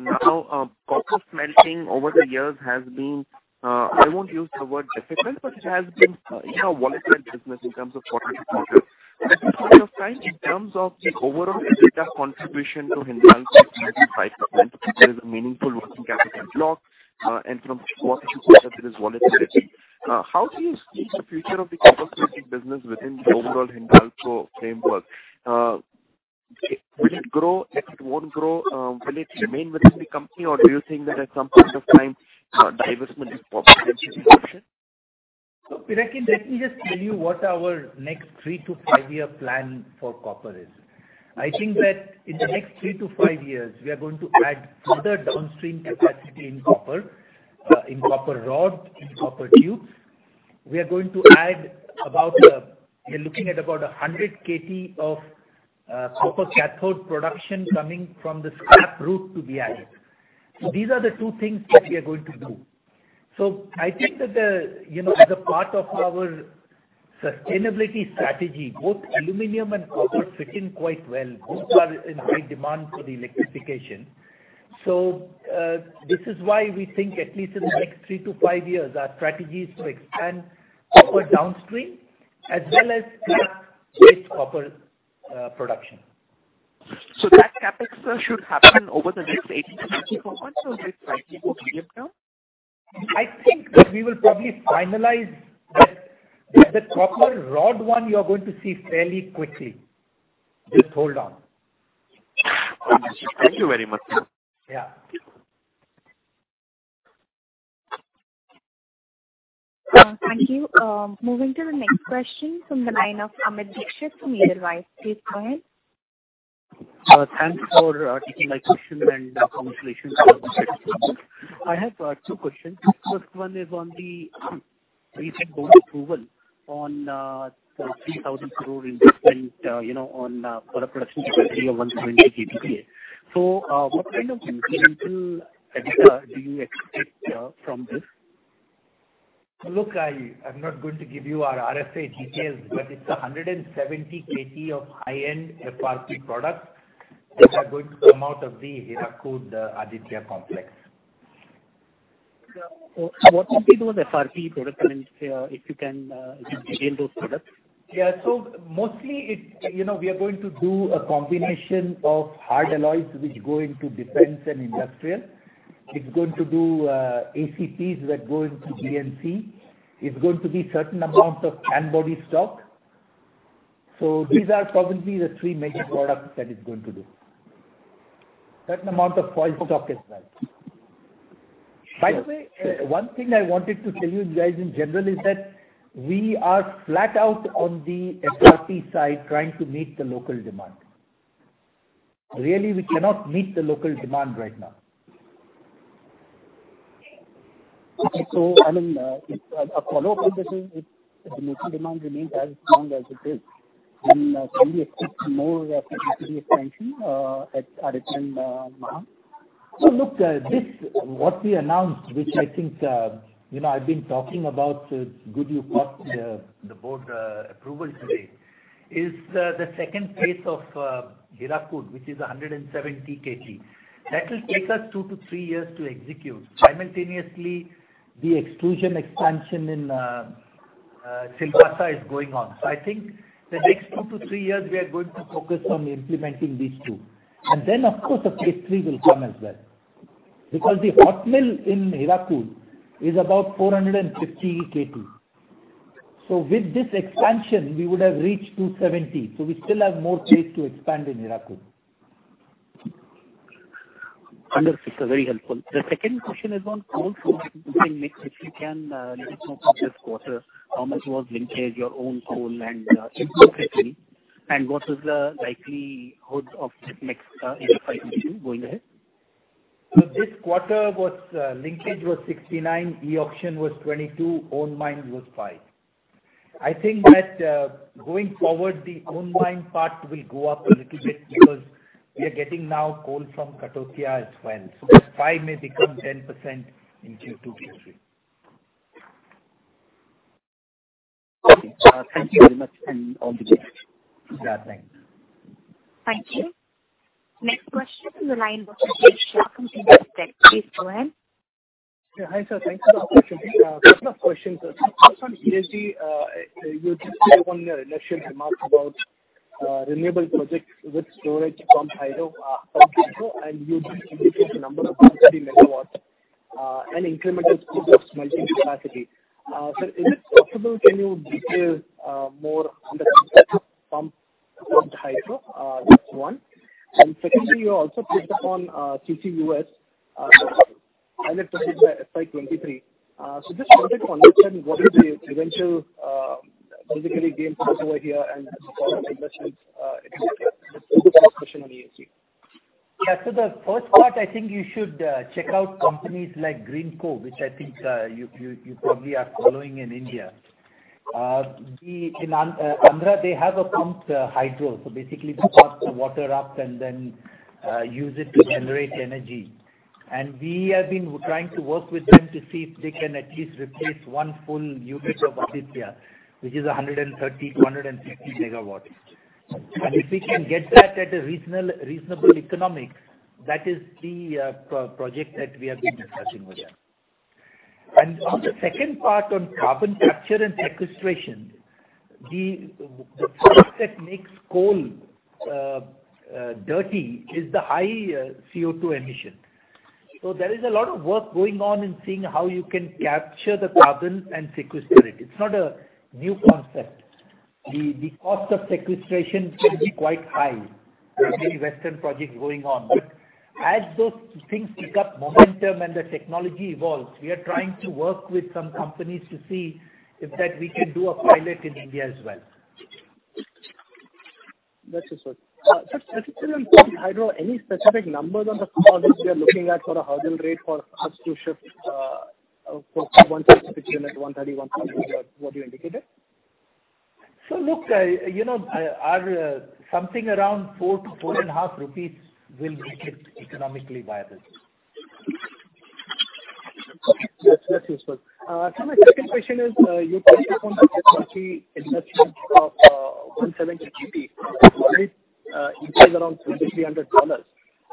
Copper smelting over the years has been, I won't use the word difficult, but it has been a volatile business in terms of what you purchase. At this point of time, in terms of the overall EBITDA contribution to Hindalco is 3%-5%. There is a meaningful working capital block. From what you said that it is volatility. How do you see the future of the copper smelting business within the overall Hindalco framework? Will it grow? If it won't grow, will it remain within the company? Do you think that at some point of time divestment is possibly an option? Pinakin, let me just tell you what our next three-to-five-year plan for copper is. I think that in the next three to five years, we are going to add further downstream capacity in copper rod and copper tubes. We are looking at about 100 KT of copper cathode production coming from the scrap route to be added. These are the two things that we are going to do. I think that as a part of our sustainability strategy, both aluminum and copper fit in quite well. Both are in high demand for the electrification. This is why we think at least in the next three to five years, our strategy is to expand copper downstream as well as scrap-based copper production. That CapEx should happen over the next 18-24 months or a slightly more period now? I think that we will probably finalize that. The copper rod one you're going to see fairly quickly. Just hold on. Understood. Thank Thank you very much, sir. Yeah. Thank you. Moving to the next question from the line of Amit Dixit from Edelweiss. Please go ahead. Thanks for taking my question and congratulations on the results. I have two questions. First one is on the recent board approval on 3,000 crore investment for the production capacity of 120 KTPA. What kind of incremental EBITDA do you expect from this? I am not going to give you our RFA details, but it's 170 KT of high-end FRP products that are going to come out of the Hirakud Aditya complex. What are those FRP products, if you can name those products? Yeah. Mostly, we are going to do a combination of hard alloys which go into defense and industrial. It's going to do ACPs that go into B&C. It's going to be certain amount of can body stock. These are probably the three major products that it's going to do. Certain amount of foil stock as well. By the way, one thing I wanted to tell you guys in general is that we are flat out on the FRP side trying to meet the local demand. Really, we cannot meet the local demand right now. Okay. A follow-up that is, if the local demand remains as strong as it is, can we expect more capacity expansion at Aditya Mahan? Look, what we announced, which I've been talking about, good you caught the board approval today, is the second phase of Hirakud, which is 170 KT. That will take us two to three years to execute. Simultaneously, the extrusion expansion in Silvassa is going on. I think the next two to three years, we are going to focus on implementing these two. Then, of course, a phase III will come as well. The hot mill in Hirakud is about 450 KT. With this expansion, we would have reached 270. We still have more space to expand in Hirakud. Understood, sir. Very helpful. The second question is on coal source. You can mix if you can, let us know for this quarter, how much was linkage, your own coal, and e-auction. What is the likelihood of mix in the financial going ahead? This quarter linkage was 69, e-auction was 22, own mine was five. I think that going forward, the own mine part will go up a little bit because we are getting now coal from Kathautia as well. Five may become 10% in Q2, Q3. Thank you very much and all the best. Thank you. Next question in the line please go ahead. Hi, sir. Thanks for the opportunity. A couple of questions. First, on ESG, you just said one initial remark about renewable projects with storage from hydro. You indicated a number of 130 MW, and incremental 2.6 million capacity. Sir, if it's possible, can you detail more on the pumped hydro? That's one. Secondly, you also touched upon CCUS by 2023. Just wanted to understand what is the eventual, basically game plan over here and follow-up investments, et cetera. That's the first question on ESG. The first part, I think you should check out companies like Greenko, which I think you probably are following in India. In Andhra, they have a pumped hydro, basically they pump the water up and then use it to generate energy. We have been trying to work with them to see if they can at least replace one full unit of Aditya, which is 130 MW-150 MW. If we can get that at a reasonable economics, that is the project that we have been discussing with them. On the second part on carbon capture and sequestration, the stuff that makes coal dirty is the high CO2 emission. There is a lot of work going on in seeing how you can capture the carbon and sequester it. It's not a new concept. The cost of sequestration can be quite high. There are many Western projects going on. As those things pick up momentum and the technology evolves, we are trying to work with some companies to see if that we can do a pilot in India as well. That's useful. Just specifically on pumped hydro, any specific numbers on the economics you are looking at for a hurdle rate for us to ship for 130-150 MW, what you indicated? Look, something around 4-4.5 rupees will make it economically viable. That's useful. Sir, my second question is, you touched upon the Hirakud extrusion of 170 KT. It is around $2,300.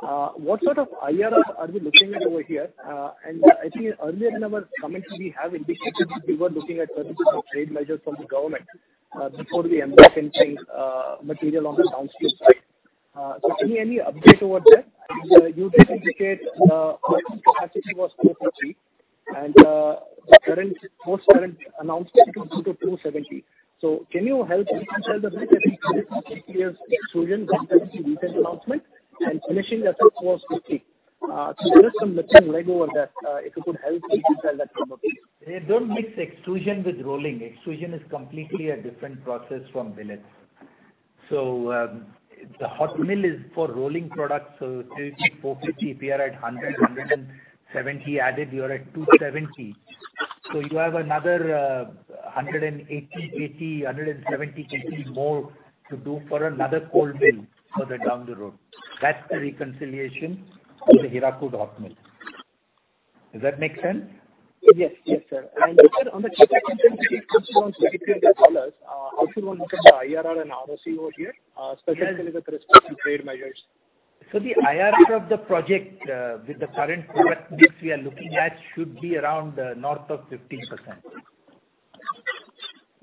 What sort of IRR are we looking at over here? I think earlier in our comments we have indicated we were looking at certain trade measures from the government before we embark anything material on the downstream side. Any update over there? You did indicate Hirakud capacity was 250 and the current announcement is to 270. Can you help reconcile the difference between previous extrusion versus the recent announcement and finishing the 450? Just some little leg over that, if you could help detail that number, please. Don't mix extrusion with rolling. Extrusion is completely a different process from billets. The hot mill is for rolling products. 250, if you're at 100, 170 added, you are at 270. You have another 180, 170, 50 more to do for another cold mill further down the road. That's the reconciliation of the Hirakud hot mill. Does that make sense? Yes, sir. Also on the Chicago contention also around $2,300. Also want to look at the IRR and ROCE over here, specifically with respect to trade measures. The IRR of the project, with the current product mix we are looking at, should be around north of 15%.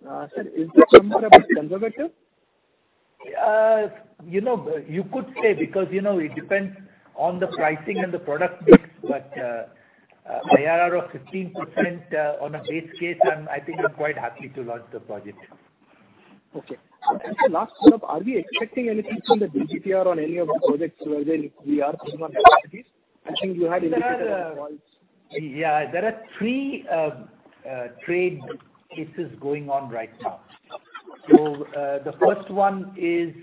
Sir, is this number a bit conservative? You could say, because it depends on the pricing and the product mix, but IRR of 15% on a base case, I think I'm quite happy to launch the project. Okay. Last one up, are we expecting anything from the DGTR on any of the projects where we are putting on priorities? Yeah. There are three trade cases going on right now. The first one is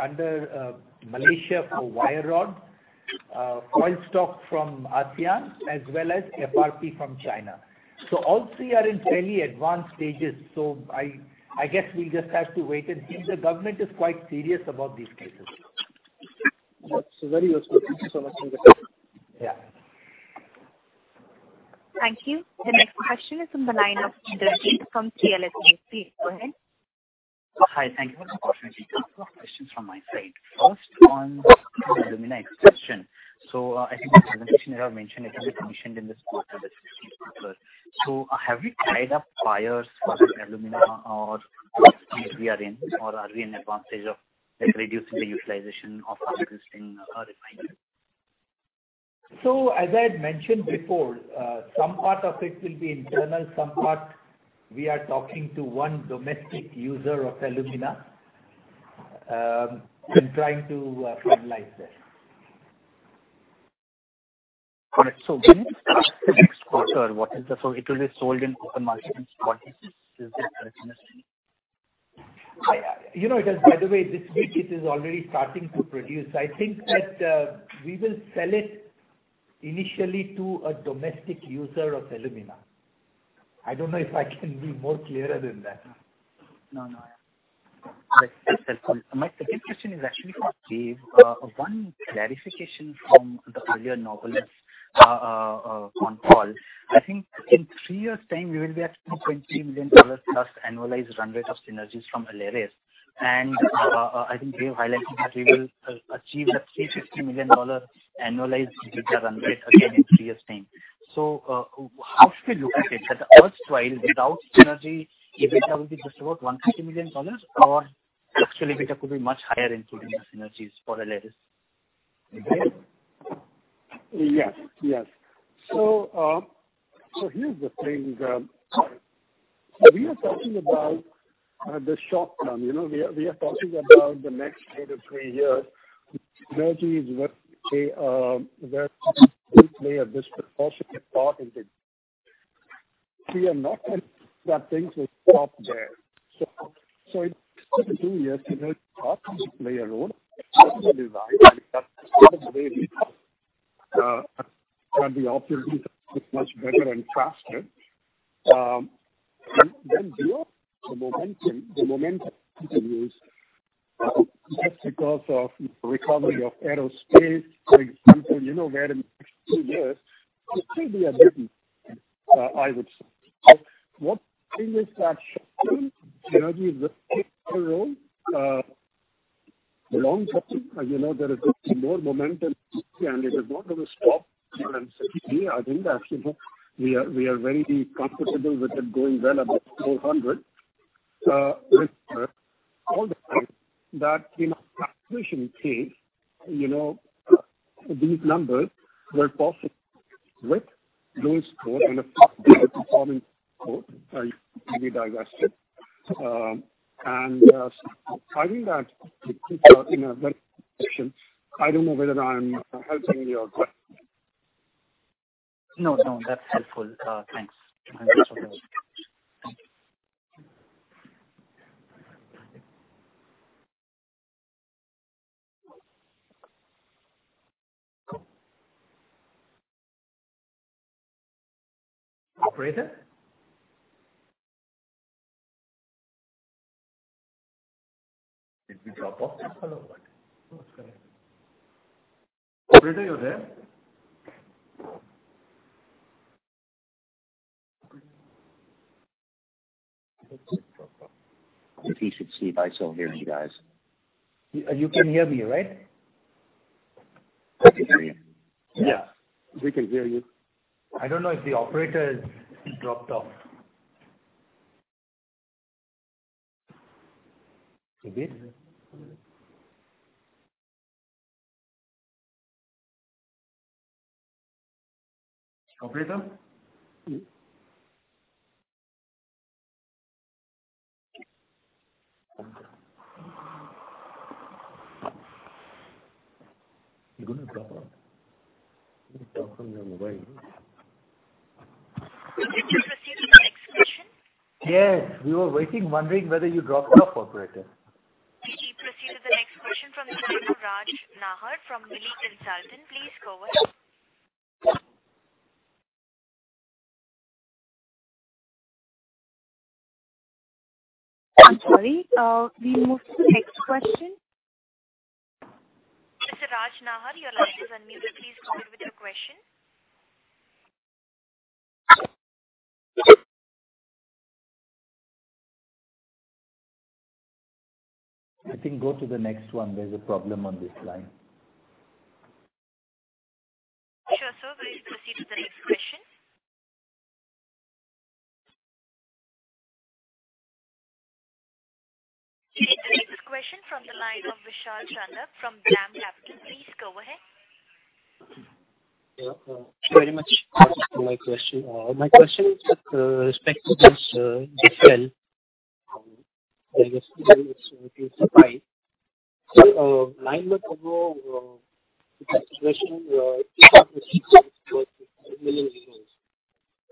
under Malaysia for wire rod, foil stock from ASEAN, as well as FRP from China. All three are in fairly advanced stages, so I guess we'll just have to wait and see. The government is quite serious about these cases. Very useful. Thank you so much. Yeah. Thank you. The next question is on the line of Indrajit from CLSA. Please go ahead. Hi. Thank you for the opportunity. A couple of questions from my side. First on the alumina expansion. I think the presentation here mentioned it will be commissioned in this quarter, that's 15th October. Have we tied up buyers for the alumina or what stage we are in, or are we in advance stage of reducing the utilization of our existing refinery? As I had mentioned before, some part of it will be internal, some part we are talking to one domestic user of alumina, and trying to finalize that. Correct. When will it start? Next quarter? It will be sold in open markets. What is it? This week it is already starting to produce. I think that we will sell it initially to a domestic user of alumina. I don't know if I can be more clearer than that. That's helpful. My second question is actually for Dev. One clarification from the earlier Novelis call. I think in three years' time, we will be at $20 million plus annualized run rate of synergies from Aleris. I think Dev highlighted that we will achieve that $350 million annualized EBITDA run rate again in three years' time. How should we look at it? That the first while without synergy, EBITDA will be just about $150 million, or actually EBITDA could be much higher including the synergies for Aleris? Yes. Here's the thing. We are talking about the short term. We are talking about the next two to three years. Synergy is worth a disproportionate part in the. We are not saying that things will stop there. In two years, it will obviously play a role. We have the opportunity to do much better and faster. Beyond the momentum continues, just because of recovery of aerospace, for example, where in the next two years it will still be a business, I would say. One thing is that synergy will play a role. Long-term, there is more momentum, and it is not going to stop. We are very comfortable with it going well above 400. With all the time that in our calculation phase, these numbers were possible with those four and a fifth performing four can be digested. I think that the picture in a very good position. I don't know whether I'm answering your question. No, that's helpful. Thanks. Operator? Did we drop off? I don't know. Operator, you there? I think he should see if I still hear you guys. You can hear me, right? I can hear you. Yeah. We can hear you. I don't know if the operator dropped off. Maybe. Operator? Are you going to drop off? You can talk from your mobile. Could we proceed to the next question? Yes. We were waiting, wondering whether you dropped off, operator. We proceed to the next question from Mr. Raj Nahar from Mili Consultants & Investment Private Limited. Please go ahead. I am sorry. We move to the next question. Mr. Raj Nahar, your line is unmuted. Please go with your question. I think go to the next one. There's a problem on this line. Sure, sir. We'll proceed to the next question. The next question from the line of Vishal Chandak from Motilal Oswal Financial Services. Please go ahead. Thank you very much. My question is with respect to this, Duffel. I guess nine months ago, the consideration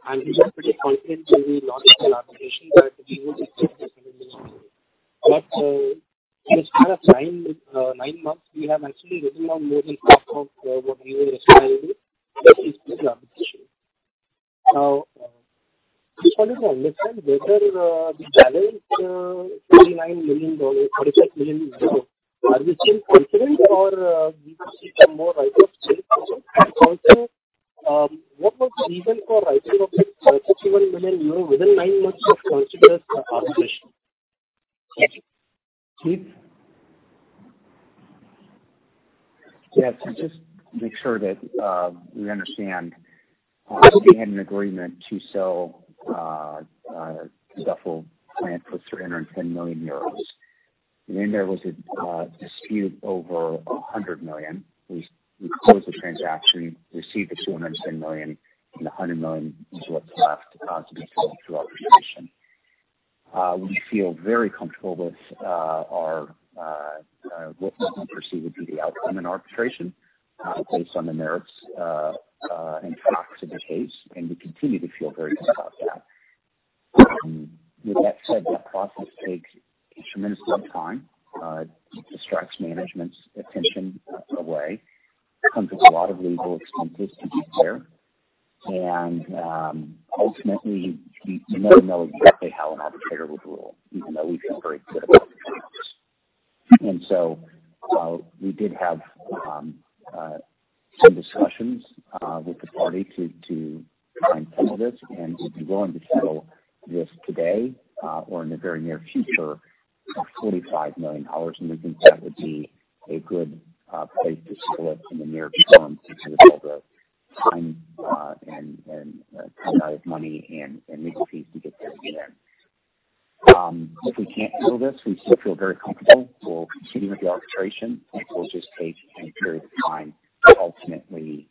and we had pretty confidently launched an arbitration that we will get EUR 7 million. In a span of nine months, we have actually written down more than half of what we were expecting. Also, I just wanted to understand whether the balance, $49 million, EUR 47 million, are we still confident or we will see some more write-off soon? What was the reason for writing off 31 million euro within nine months of considering the arbitration? Thank you. Steve? Yes. To just make sure that we understand. We had an agreement to sell Duffel plant for 310 million euros. There was a dispute over 100 million. We closed the transaction, received the 210 million, and the 100 million is what's left to be sold through arbitration. We feel very comfortable with what we perceive would be the outcome in arbitration, based on the merits and facts of the case, and we continue to feel very good about that. With that said, that process takes a tremendous amount of time. It distracts management's attention away, comes with a lot of legal expenses to be clear. Ultimately, we do not know exactly how an arbitrator would rule, even though we feel very good about the case. We did have some discussions with the party to try and close this, and we'd be willing to settle this today or in the very near future for $45 million. We think that would be a good place to settle it in the near term, considering all the time and kind of money and legal fees to get there again. If we can't settle this, we still feel very comfortable. We'll continue with the arbitration, and it will just take some period of time to ultimately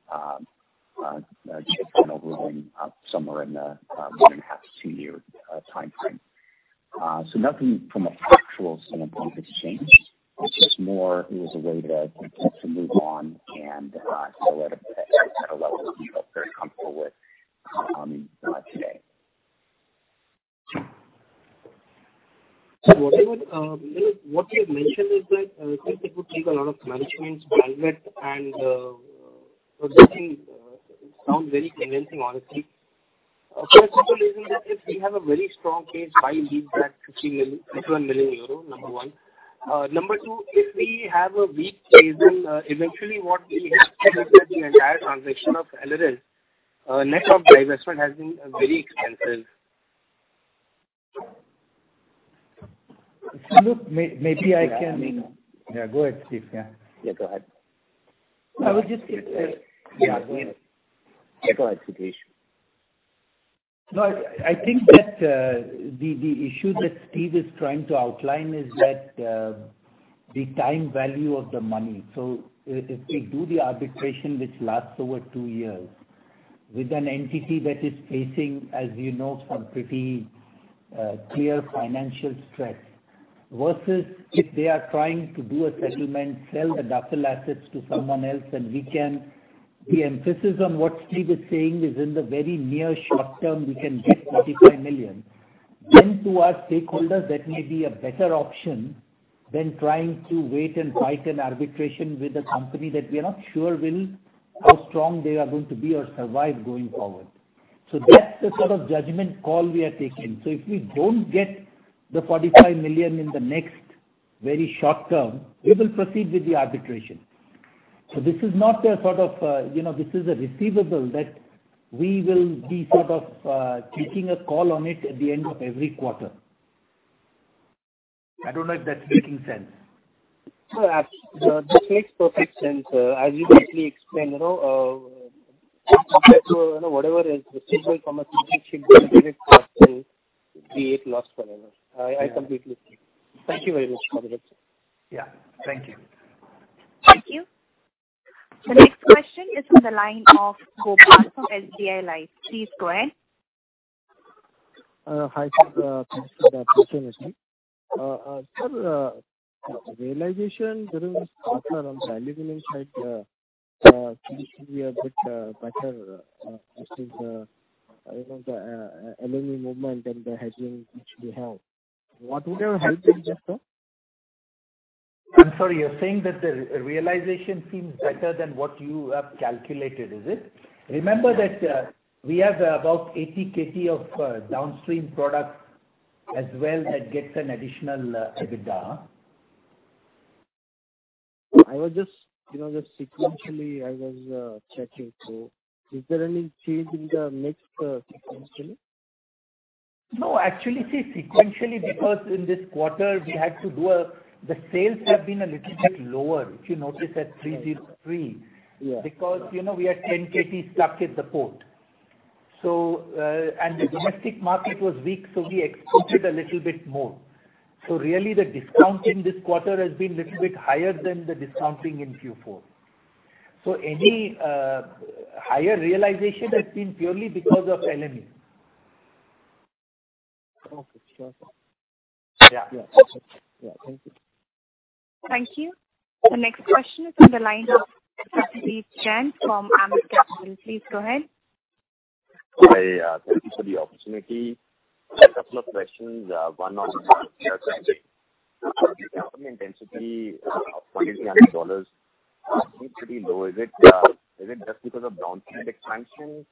get an overruling somewhere in the one and a half to two year timeframe. Nothing from a factual standpoint has changed. It was just a way to potentially move on and settle at a level we feel very comfortable with today. What you have mentioned is that it would take a lot of management's bandwidth, and this can sound very convincing, honestly. First of all, is it that if we have a very strong case, why leave that EUR 51 million, number one? Number two, if we have a weak case, then eventually what we have done with the entire transaction of L&L net of divestment has been very expensive. Look, maybe. Yeah. Yeah, go ahead, Steve. Yeah. Yeah, go ahead. I would just say. Yeah, go ahead. Go ahead, Satish. I think that the issue that Steve Fisher is trying to outline is that the time value of the money. If we do the arbitration, which lasts over two years, with an entity that is facing, as you know, some pretty clear financial stress, versus if they are trying to do a settlement, sell the Duffel assets to someone else, and the emphasis on what Steve Fisher is saying is in the very near short term, we can get $45 million. To our stakeholders, that may be a better option than trying to wait and fight an arbitration with a company that we are not sure how strong they are going to be or survive going forward. That's the sort of judgment call we are taking. If we don't get the $45 million in the next very short term, we will proceed with the arbitration. This is a receivable that we will be sort of taking a call on it at the end of every quarter. I don't know if that's making sense. No, this makes perfect sense. As you rightly explained, compared to whatever is receivable from a 100% credit customer, we ate loss forever. I completely see. Thank you very much for the update, sir. Yeah. Thank you. Thank you. The next question is from the line of Gopal from SBI Life. Please go ahead. Hi, sir. Thanks for the opportunity. Sir, realization during this quarter on the aluminum side seems to be a bit better versus the LME movement and the hedging which we have. What would have helped you there, sir? I'm sorry, you're saying that the realization seems better than what you have calculated, is it? Remember that we have about 80 KT of downstream products as well that gets an additional EBITDA. I was just sequentially, I was checking. Is there any change in the mix sequentially? No, actually, see, sequentially, because in this quarter the sales have been a little bit lower, if you notice at 303. Yeah. Because we had 10 KT stuck at the port. The domestic market was weak, so we exported a little bit more. Really the discount in this quarter has been little bit higher than the discounting in Q4. Any higher realization has been purely because of LME. Okay, sure. Yeah. Yeah. Thank you. Thank you. The next question is on the line of Pradeep Jain from Ambit Capital. Please go ahead. Hi. Thank you for the opportunity. A couple of questions, one on the capital intensity of INR 4,800 seems pretty low. Is it just because of downstream expansion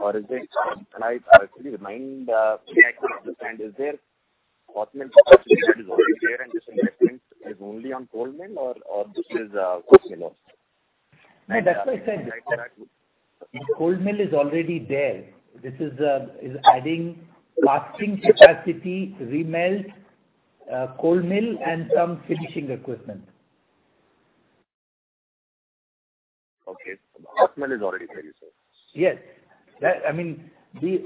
or can I actually understand, is there hot mill capacity that is already there and this investment is only on cold mill or this is cold mill also? No, that's why I said the cold mill is already there. This is adding casting capacity, remelt, cold mill, and some finishing equipment. Okay. The hot mill is already there, you said? Yes. I mean, the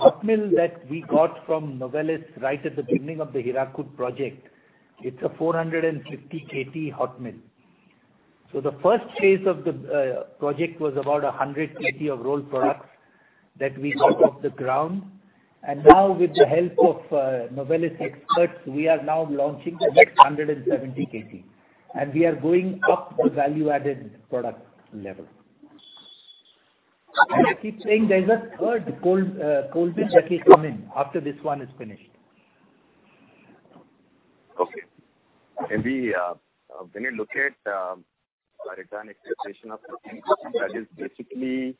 hot mill that we got from Novelis right at the beginning of the Hirakud project, it's a 450 KT hot mill. The first phase of the project was about 100 KT of rolled products that we got off the ground. Now with the help of Novelis experts, we are now launching the next 170 KT, and we are going up the value-added product level. As I keep saying, there's a third cold mill that will come in after this one is finished. When you look at the return expectation of 13%, that is basically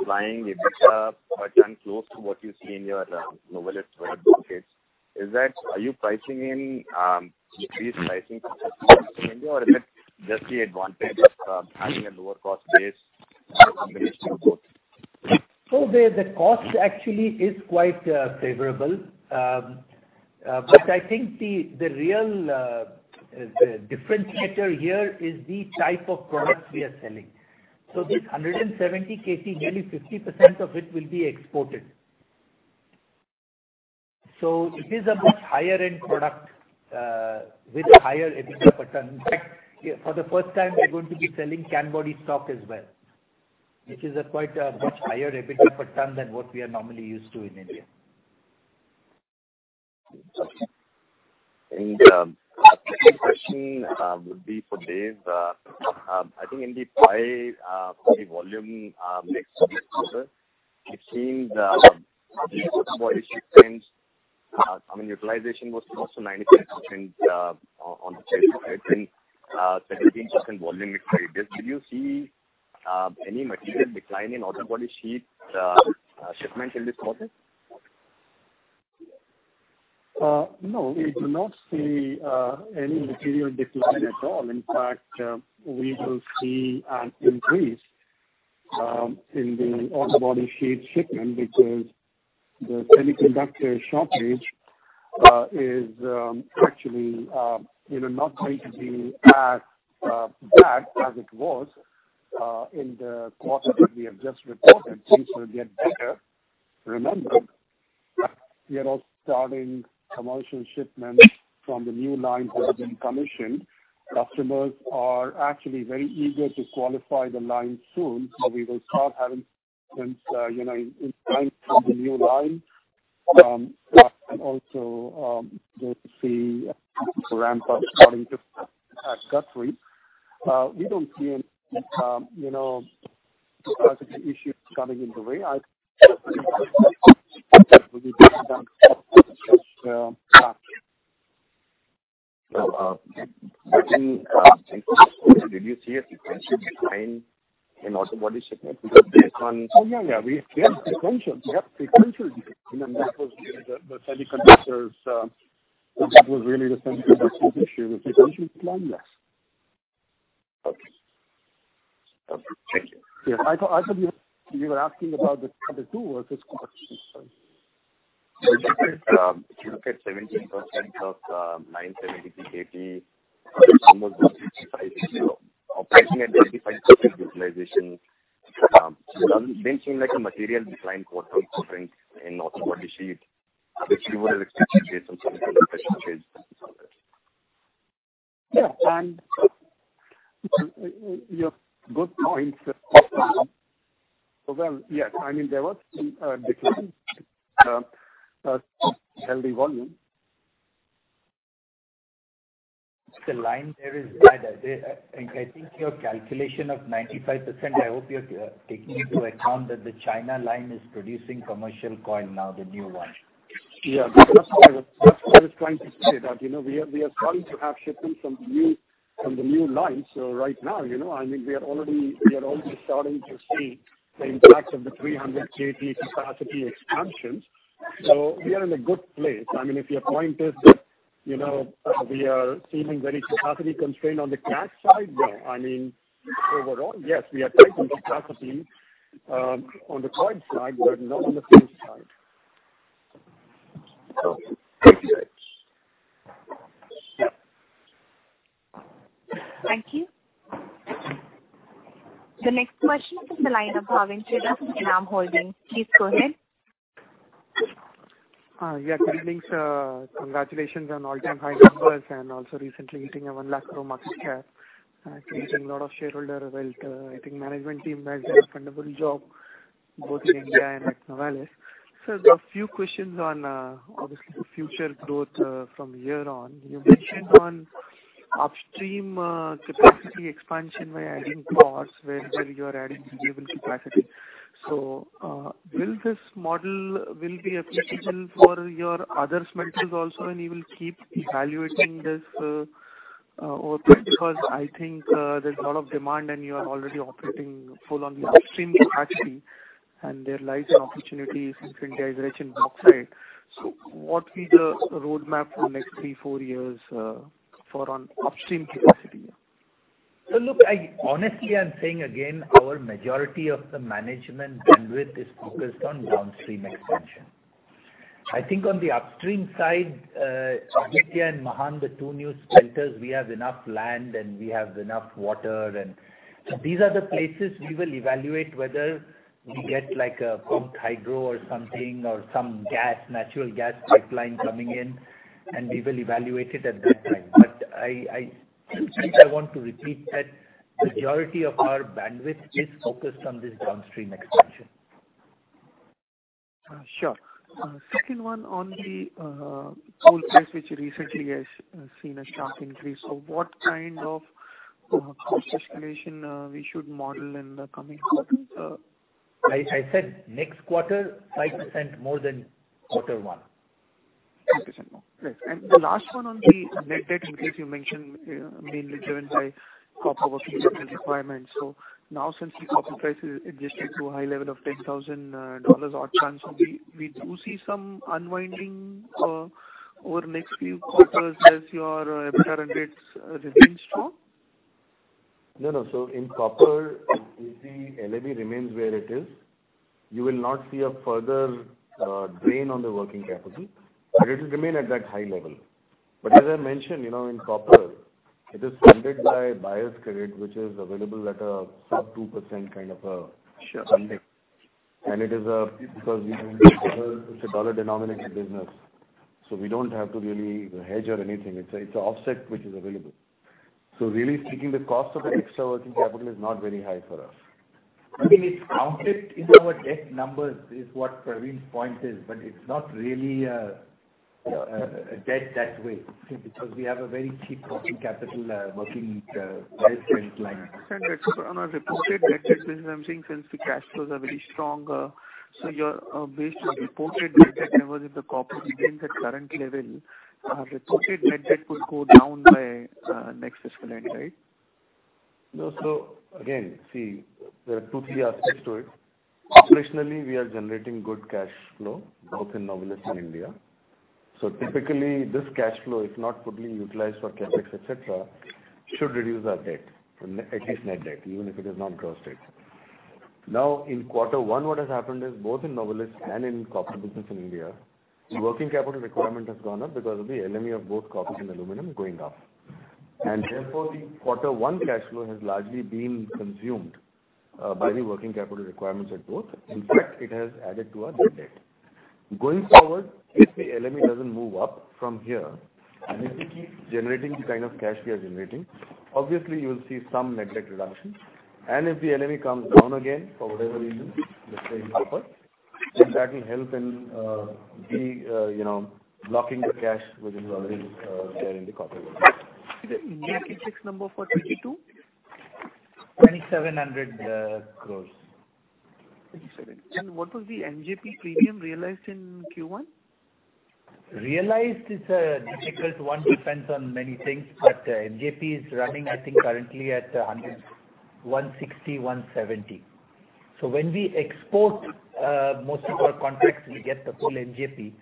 applying EBITDA per ton close to what you see in your Novelis world book case. Are you pricing in decreased pricing pressure in India, or is it just the advantage of having a lower cost base, or a combination of both? The cost actually is quite favorable. I think the real differentiator here is the type of products we are selling. This 170 KT, nearly 50% of it will be exported. It is a much higher-end product, with higher EBITDA per ton. In fact, for the first time, we're going to be selling can body stock as well, which is a quite much higher EBITDA per ton than what we are normally used to in India. Second question would be for Dev. I think in the pie, for the volume mix it seems the auto body sheet change, I mean, utilization was close to 95% on the 17% volume mix. Did you see any material decline in auto body sheet shipment in this quarter? We do not see any material decline at all. In fact, we will see an increase in the auto body sheet shipment because the semiconductor shortage is actually not going to be as bad as it was in the quarter we have just reported. Things will get better. Remember, we are now starting commercial shipments from the new line which has been commissioned. Customers are actually very eager to qualify the line soon. We will start having shipments in time from the new line, and also we'll see a ramp up starting this quarter. We don't see any capacity issues coming in the way. I think it will be better than last quarter. Do you see a potential decline in auto body shipment based on. Yeah. We have potential. We have potential decline, That was the semiconductors. That was really the semiconductor issue. The potential decline, yes. Okay. Thank you. Yes. I thought you were asking about the quarter two or this quarter? Sorry. If you look at 17% of 970 KT, almost operating at 25% utilization. I was mentioning like a material decline quarter-on-quarter in auto body sheet, which you would have expected based on semiconductor shortage. Yeah. You have good points. Well, yes. I mean, there was some decline in LD volume. I think your calculation of 95%, I hope you're taking into account that the China line is producing commercial coil now, the new one. That's what I was trying to say, that we are starting to have shipments from the new line. Right now, we are already starting to see the impact of the 300 KT capacity expansions. We are in a good place. If your point is that we are seeming very capacity constrained on the cast side, no. I mean, overall, yes, we are tight on capacity on the coil side, but not on the finished side. Okay. Thank you. Yeah. Thank you. The next question is from the line of Bhavin Chheda from ENAM Holdings. Please go ahead. Good evening, sir. Congratulations on all-time high numbers and also recently hitting an 1 lakh crore market cap, creating a lot of shareholder wealth. I think management team has done a wonderful job both in India and at Novelis. Sir, few questions on future growth from here on. You mentioned on upstream capacity expansion by adding pots wherever you are adding capacity. Will this model be applicable for your other smelters also, and you will keep evaluating this onward? I think there's a lot of demand, and you are already operating full on the upstream capacity, and there lies an opportunity in synchronization downside. What will be the roadmap for next three, four years for on upstream capacity? Look, honestly, I'm saying again, our majority of the management bandwidth is focused on downstream expansion. I think on the upstream side, Aditya and Mahan, the two new smelters, we have enough land, and we have enough water. These are the places we will evaluate whether we get like a pumped hydro or something or some natural gas pipeline coming in, and we will evaluate it at that time. I think I want to repeat that majority of our bandwidth is focused on this downstream expansion. Sure. Second one on the coal price, which recently has seen a sharp increase. What kind of cost escalation we should model in the coming quarters? I said next quarter, 5% more than quarter one. 5% more. Right. The last one on the net debt increase you mentioned, mainly driven by copper working capital requirements. Now since the copper price has adjusted to a high level of $10,000 odd tons, we do see some unwinding over next few quarters as your EBITDA and rates remains true? In copper, if the LME remains where it is, you will not see a further drain on the working capital. It will remain at that high level. As I mentioned, in copper, it is funded by buyer's credit, which is available at a sub 2% kind of a funding. Sure. It is because it's a dollar-denominated business, we don't have to really hedge or anything. It's an offset which is available. Really speaking, the cost of the extra working capital is not very high for us. I mean, it's counted in our debt numbers is what Praveen's point is, but it's not really a debt that way. We have a very cheap working capital working debt trend line. On a reported net debt business, I'm saying since the cash flows are very strong, based on reported net debt numbers, if the copper remains at current level, our reported net debt could go down by next fiscal end, right? No. Again, see, there are two, three aspects to it. Operationally, we are generating good cash flow, both in Novelis and India. Typically, this cash flow, if not fully utilized for CapEx, et cetera, should reduce our debt. At least net debt, even if it is not gross debt. In Q1, what has happened is both in Novelis and in copper business in India, the working capital requirement has gone up because of the LME of both copper and aluminum going up. Therefore, the Q1 cash flow has largely been consumed by the working capital requirements at both. In fact, it has added to our net debt. Going forward, if the LME doesn't move up from here, and if we keep generating the kind of cash we are generating, obviously you'll see some net debt reduction. If the LME comes down again, for whatever reason, let's say in copper, then that will help in de-blocking the cash within Novelis, there in the copper world. The MJP number for 2022? 2,700 crores. What was the MJP premium realized in Q1? Realized is a difficult one, depends on many things, but MJP is running, I think currently at 160, 170. When we export most of our contracts, we get the full MJP.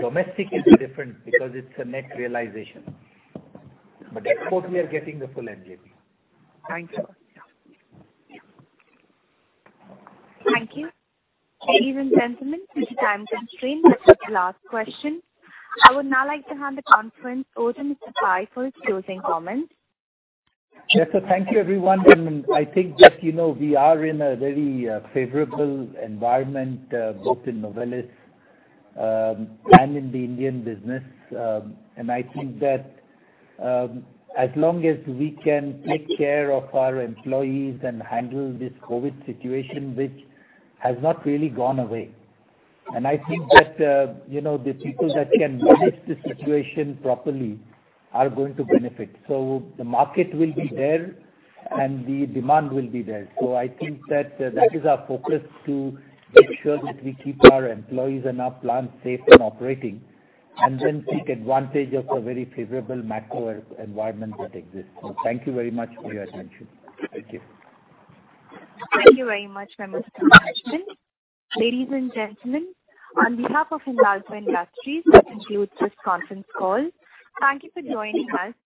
Domestic is different because it's a net realization. Export, we are getting the full MJP. Thank you. Thank you. Ladies and gentlemen, due to time constraint, that was the last question. I would now like to hand the conference over to Mr. Pai for his closing comments. Yes. Thank you everyone, and I think that we are in a very favorable environment, both in Novelis and in the Indian business. I think that as long as we can take care of our employees and handle this COVID situation, which has not really gone away. I think that the people that can manage the situation properly are going to benefit. The market will be there, and the demand will be there. I think that is our focus to make sure that we keep our employees and our plants safe and operating, and then take advantage of the very favorable macro environment that exists. Thank you very much for your attention. Thank you. Thank you very much, Mr. Pai. Ladies and gentlemen, on behalf of Hindalco Industries, that concludes this conference call. Thank you for joining us.